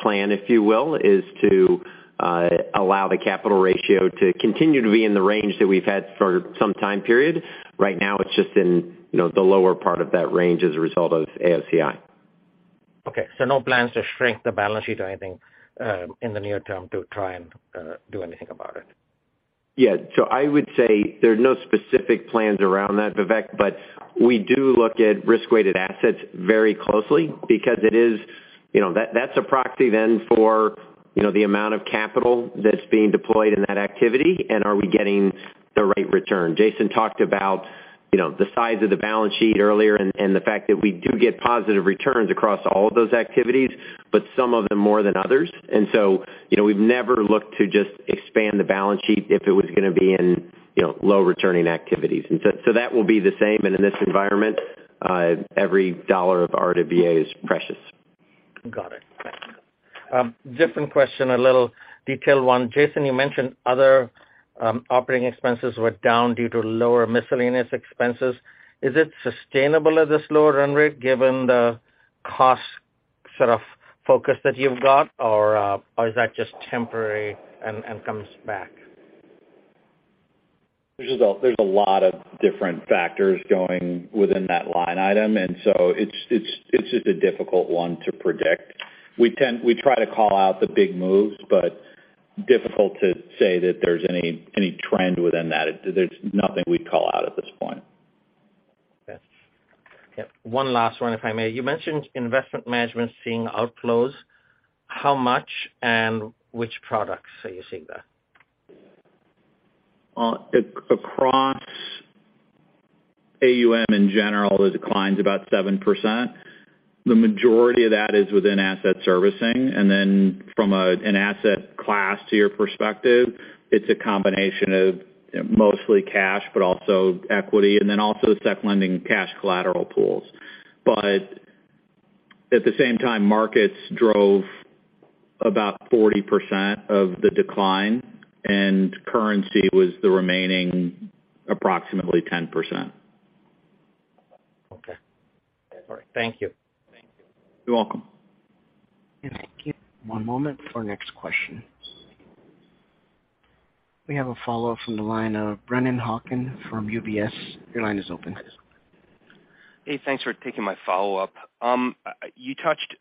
plan, if you will, is to allow the capital ratio to continue to be in the range that we've had for some time period. Right now it's just in, you know, the lower part of that range as a result of AOCI. No plans to shrink the balance sheet or anything in the near term to try and do anything about it? I would say there are no specific plans around that, Vivek, but we do look at risk-weighted assets very closely because it is, you know, that's a proxy then for, you know, the amount of capital that's being deployed in that activity and are we getting the right return. Jason talked about, you know, the size of the balance sheet earlier and the fact that we do get positive returns across all of those activities, but some of them more than others. We've never looked to just expand the balance sheet if it was gonna be in, you know, low returning activities. That will be the same. In this environment, every dollar of RWA is precious. Got it. Thank you. Different question, a little detailed one. Jason, you mentioned other operating expenses were down due to lower miscellaneous expenses. Is it sustainable at this lower run rate given the cost sort of focus that you've got? Or is that just temporary and comes back? There's a lot of different factors going on within that line item, and so it's just a difficult one to predict. We try to call out the big moves, but it's difficult to say that there's any trend within that. There's nothing we'd call out at this point. Yes. Yeah. One last one, if I may. You mentioned investment management seeing outflows. How much and which products are you seeing that? Well, across AUM in general, the decline's about 7%. The majority of that is within asset servicing. From an asset class perspective, it's a combination of mostly cash, but also equity, and then also Securities Lending cash collateral pools. At the same time, markets drove about 40% of the decline, and currency was the remaining approximately 10%. Okay. All right. Thank you. Thank you. You're welcome. Yes, thank you. One moment for next question. We have a follow-up from the line of Brennan Hawken from UBS. Your line is open. Hey, thanks for taking my follow-up. You touched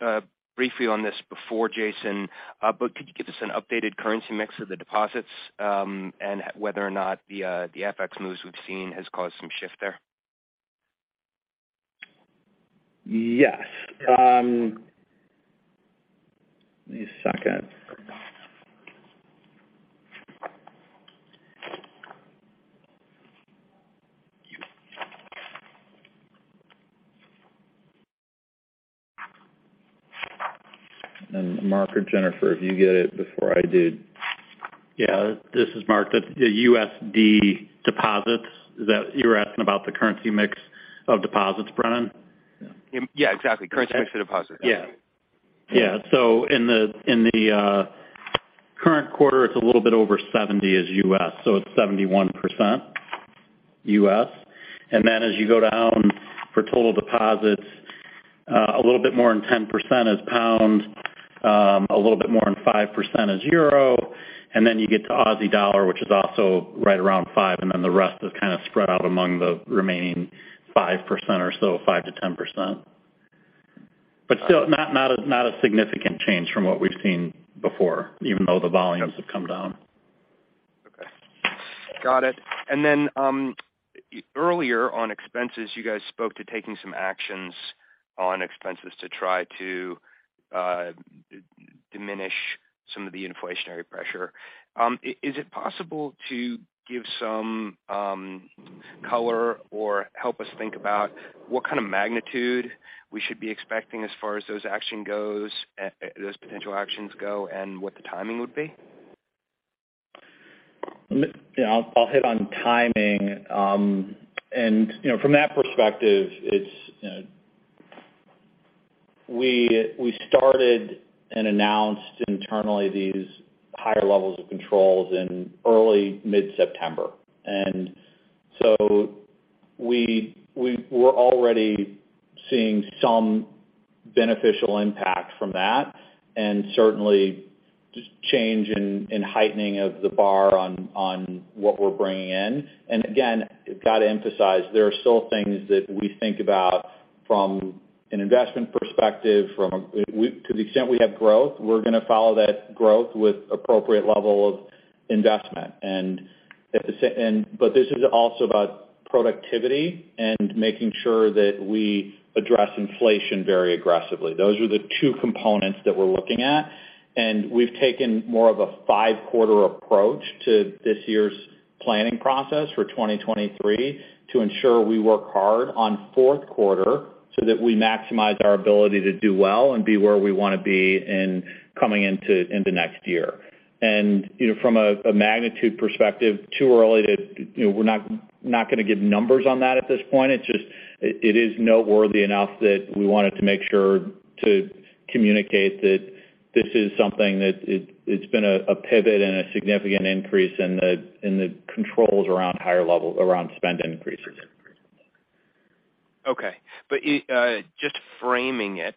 briefly on this before, Jason, but could you give us an updated currency mix of the deposits, and whether or not the FX moves we've seen has caused some shift there? Yes. Give me a second. Mark or Jennifer, if you get it before I do. Yeah. This is Mark. The USD deposits is that you were asking about the currency mix of deposits, Brennan? Yeah, exactly. Currency mix of deposits. Yeah. In the current quarter, it's a little bit over 70% US. It's 71% US. Then as you go down for total deposits, a little bit more than 10% is pound, a little bit more than 5% is euro, and then you get to Aussie dollar, which is also right around 5%, and then the rest is kind of spread out among the remaining 5% or so, 5%-10%. Still not a significant change from what we've seen before, even though the volumes have come down. Okay. Got it. Then, earlier on expenses, you guys spoke to taking some actions on expenses to try to diminish some of the inflationary pressure. Is it possible to give some color or help us think about what kind of magnitude we should be expecting as far as those actions go, those potential actions go, and what the timing would be? Yeah, I'll hit on timing. You know, from that perspective, it's, you know, we started and announced internally these higher levels of controls in early mid-September. We were already seeing some beneficial impact from that and certainly just change in heightening of the bar on what we're bringing in. Again, got to emphasize there are still things that we think about from an investment perspective. To the extent we have growth, we're gonna follow that growth with appropriate level of investment. But this is also about productivity and making sure that we address inflation very aggressively. Those are the two components that we're looking at, and we've taken more of a five-quarter approach to this year's planning process for 2023 to ensure we work hard on fourth quarter so that we maximize our ability to do well and be where we wanna be in the next year. You know, from a magnitude perspective, too early to, you know, we're not gonna give numbers on that at this point. It's just, it is noteworthy enough that we wanted to make sure to communicate that this is something that it's been a pivot and a significant increase in the controls around higher level around spend increases. Okay. Just framing it,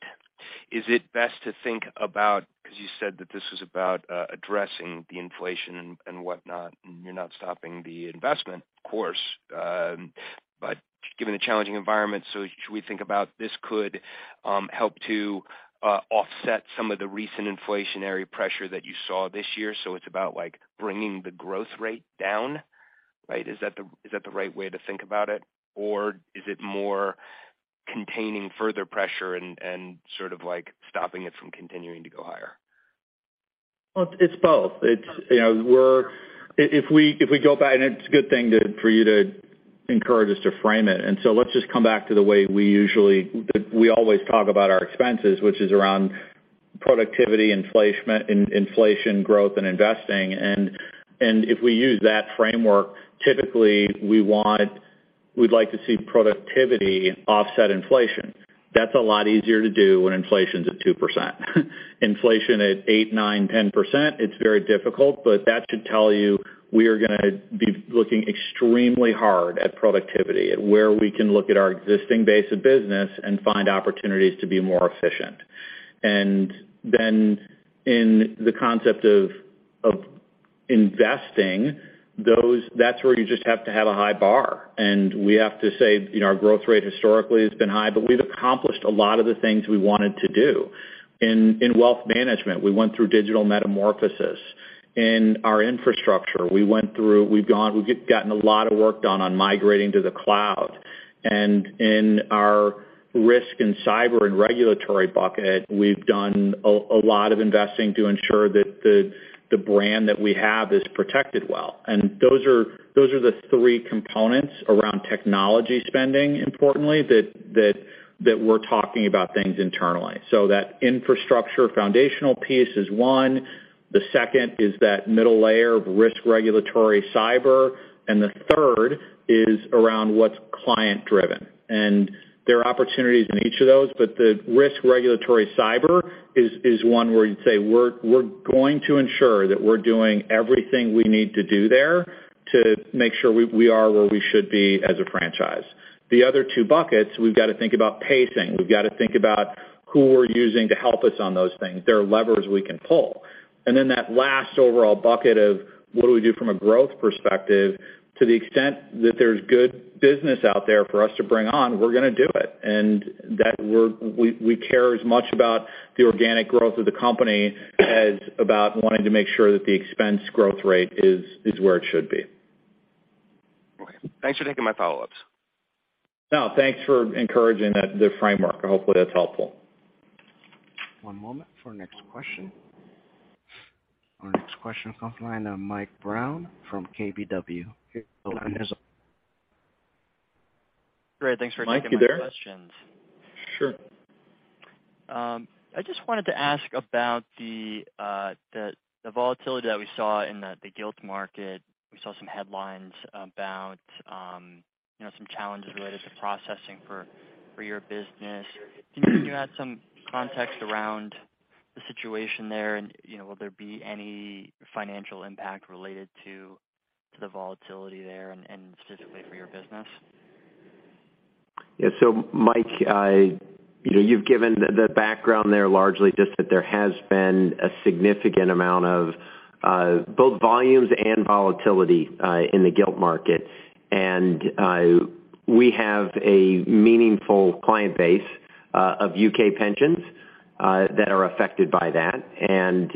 is it best to think about, 'cause you said that this was about addressing the inflation and whatnot, and you're not stopping the investment, of course. Given the challenging environment, should we think about this could help to offset some of the recent inflationary pressure that you saw this year? It's about like bringing the growth rate down, right? Is that the right way to think about it? Or is it more containing further pressure and sort of like stopping it from continuing to go higher? Well, it's both. It's, you know, if we go back, and it's a good thing to, for you to encourage us to frame it. Let's just come back to the way we always talk about our expenses, which is around productivity, inflation, growth, and investing. If we use that framework, typically, we'd like to see productivity offset inflation. That's a lot easier to do when inflation's at 2%. Inflation at 8%, 9%, 10%, it's very difficult, but that should tell you we are gonna be looking extremely hard at productivity, at where we can look at our existing base of business and find opportunities to be more efficient. In the concept of investing, that's where you just have to have a high bar. We have to say, you know, our growth rate historically has been high, but we've accomplished a lot of the things we wanted to do. In wealth management, we went through Digital Metamorphosis. In our infrastructure, we've gotten a lot of work done on migrating to the cloud. In our risk and cyber and regulatory bucket, we've done a lot of investing to ensure that the brand that we have is protected well. Those are the three components around technology spending, importantly, that we're talking about things internally. That infrastructure foundational piece is one. The second is that middle layer of risk regulatory cyber, and the third is around what's client-driven. There are opportunities in each of those, but the risk regulatory cyber is one where you'd say, "We're going to ensure that we're doing everything we need to do there to make sure we are where we should be as a franchise." The other two buckets, we've got to think about pacing. We've got to think about who we're using to help us on those things. There are levers we can pull. Then that last overall bucket of what do we do from a growth perspective, to the extent that there's good business out there for us to bring on, we're gonna do it. That we care as much about the organic growth of the company as about wanting to make sure that the expense growth rate is where it should be. Okay. Thanks for taking my follow-ups. No, thanks for encouraging the framework. Hopefully, that's helpful. One moment for next question. Our next question comes from the line of Michael Brown from KBW. Great. Thanks for taking my questions. Mike, you there? Sure. I just wanted to ask about the volatility that we saw in the Gilt market. We saw some headlines about, you know, some challenges related to processing for your business. Can you add some context around the situation there? You know, will there be any financial impact related to the volatility there and specifically for your business? Yeah. Mike, you know, you've given the background there largely just that there has been a significant amount of both volumes and volatility in the Gilt market. We have a meaningful client base. Of U.K. pensions that are affected by that.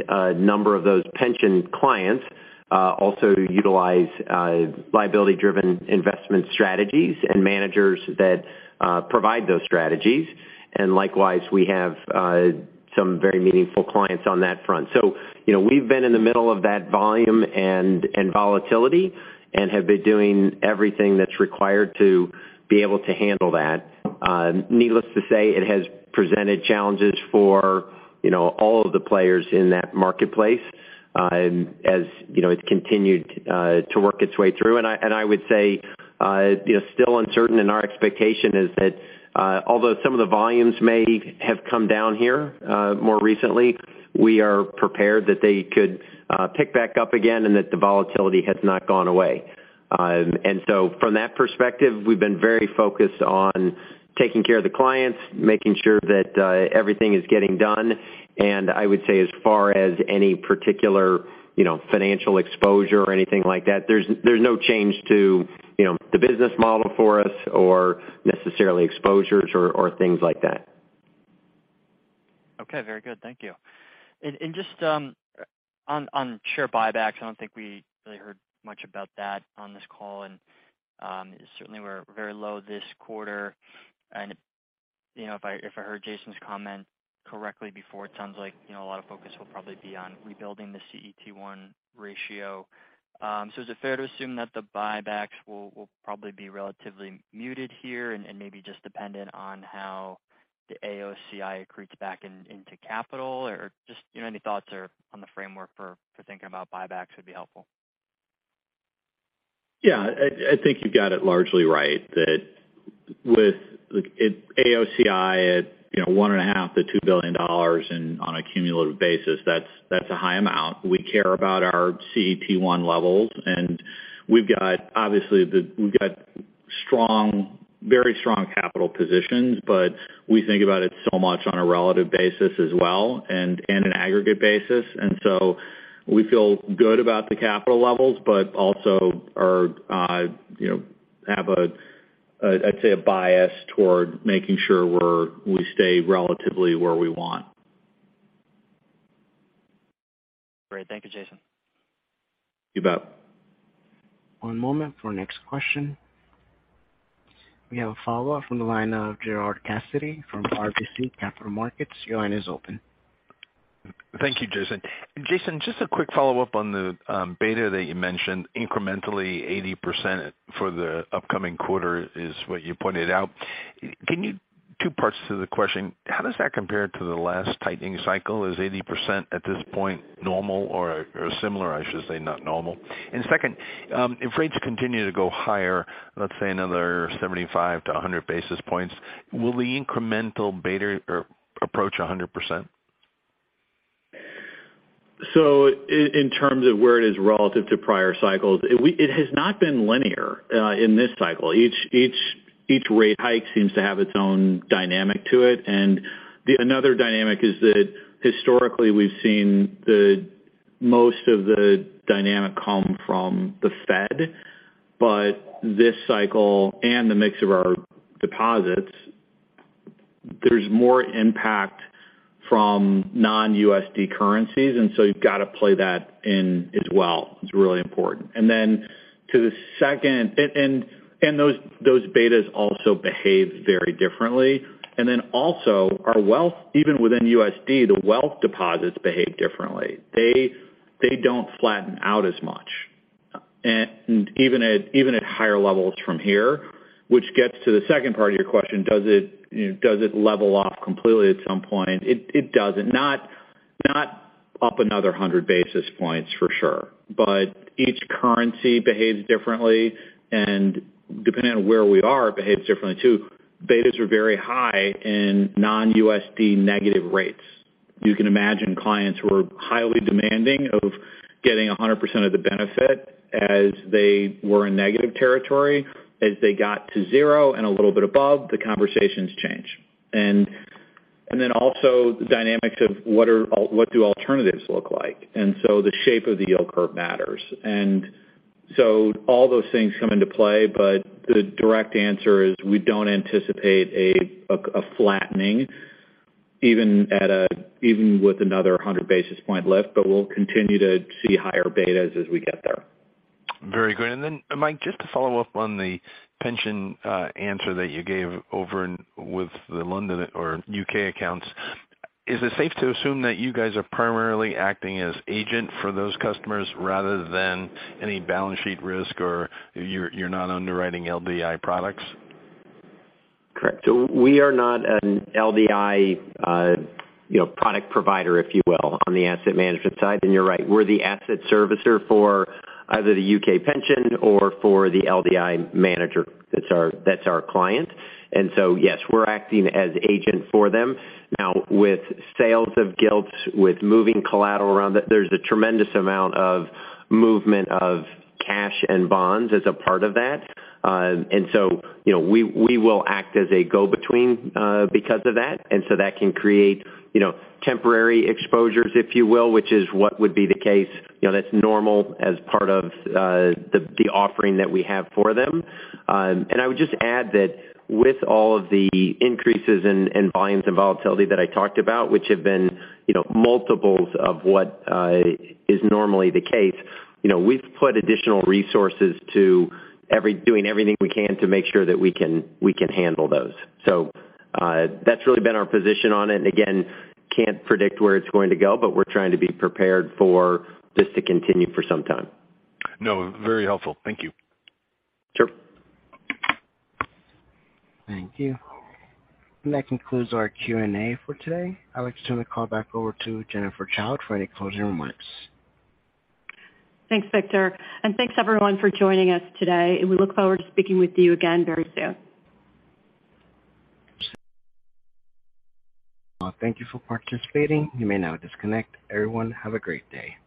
A number of those pension clients also utilize liability-driven investment strategies and managers that provide those strategies. Likewise, we have some very meaningful clients on that front. You know, we've been in the middle of that volume and volatility and have been doing everything that's required to be able to handle that. Needless to say, it has presented challenges for, you know, all of the players in that marketplace. As you know, it's continued to work its way through. I would say, you know, still uncertain, and our expectation is that, although some of the volumes may have come down here more recently, we are prepared that they could pick back up again and that the volatility has not gone away. From that perspective, we've been very focused on taking care of the clients, making sure that everything is getting done. I would say, as far as any particular, you know, financial exposure or anything like that, there's no change to, you know, the business model for us or necessarily exposures or things like that. Okay. Very good. Thank you. Just on share buybacks, I don't think we really heard much about that on this call. Certainly we're very low this quarter. You know, if I heard Jason's comment correctly before, it sounds like you know, a lot of focus will probably be on rebuilding the CET1 ratio. Is it fair to assume that the buybacks will probably be relatively muted here and maybe just dependent on how the AOCI accrues back into capital? Just any thoughts on the framework for thinking about buybacks would be helpful. Yeah, I think you've got it largely right. That with, like, AOCI at, you know, $1.5-2 billion in on a cumulative basis, that's a high amount. We care about our CET1 levels, and we've got very strong capital positions, but we think about it so much on a relative basis as well, and an aggregate basis. We feel good about the capital levels, but also are, have a, I'd say, a bias toward making sure we stay relatively where we want. Great. Thank you, Jason. You bet. One moment for next question. We have a follow-up from the line of Gerard Cassidy from RBC Capital Markets. Your line is open. Thank you, Jason. Jason, just a quick follow-up on the beta that you mentioned. Incrementally 80% for the upcoming quarter is what you pointed out. Two parts to the question. How does that compare to the last tightening cycle? Is 80% at this point normal or similar, I should say, not normal? Second, if rates continue to go higher, let's say another 75-100 basis points, will the incremental beta approach 100%? In terms of where it is relative to prior cycles, it has not been linear in this cycle. Each rate hike seems to have its own dynamic to it. Another dynamic is that historically we've seen the most of the dynamic come from the Fed, but this cycle and the mix of our deposits, there's more impact from non-USD currencies, and so you've got to play that in as well. It's really important. To the second, those betas also behave very differently. Our wealth, even within USD, the wealth deposits behave differently. They don't flatten out as much. Even at higher levels from here, which gets to the second part of your question, does it, you know, does it level off completely at some point? It doesn't. Not up another 100 basis points for sure. Each currency behaves differently and depending on where we are, behaves differently too. Betas are very high in non-USD negative rates. You can imagine clients who are highly demanding of getting 100% of the benefit as they were in negative territory. As they got to zero and a little bit above, the conversations change. And then also the dynamics of what do alternatives look like? The shape of the yield curve matters. All those things come into play, but the direct answer is we don't anticipate a flattening even with another 100 basis point lift, but we'll continue to see higher betas as we get there. Very good. Mike, just to follow up on the pension answer that you gave over with the London or UK accounts. Is it safe to assume that you guys are primarily acting as agent for those customers rather than any balance sheet risk or you're not underwriting LDI products? Correct. We are not an LDI, you know, product provider, if you will, on the asset management side. You're right. We're the asset servicer for either the UK pension or for the LDI manager. That's our client. Yes, we're acting as agent for them. Now with sales of gilts, with moving collateral around that, there's a tremendous amount of movement of cash and bonds as a part of that. You know, we will act as a go between, because of that. That can create, you know, temporary exposures, if you will, which is what would be the case. You know, that's normal as part of the offering that we have for them. I would just add that with all of the increases in volumes and volatility that I talked about, which have been, you know, multiples of what is normally the case, you know, we've put additional resources doing everything we can to make sure that we can handle those. That's really been our position on it. Again, can't predict where it's going to go, but we're trying to be prepared for this to continue for some time. No, very helpful. Thank you. Sure. Thank you. That concludes our Q&A for today. I would like to turn the call back over to Jennifer Childe for any closing remarks. Thanks, Victor. Thanks everyone for joining us today, and we look forward to speaking with you again very soon. Thank you for participating. You may now disconnect. Everyone, have a great day.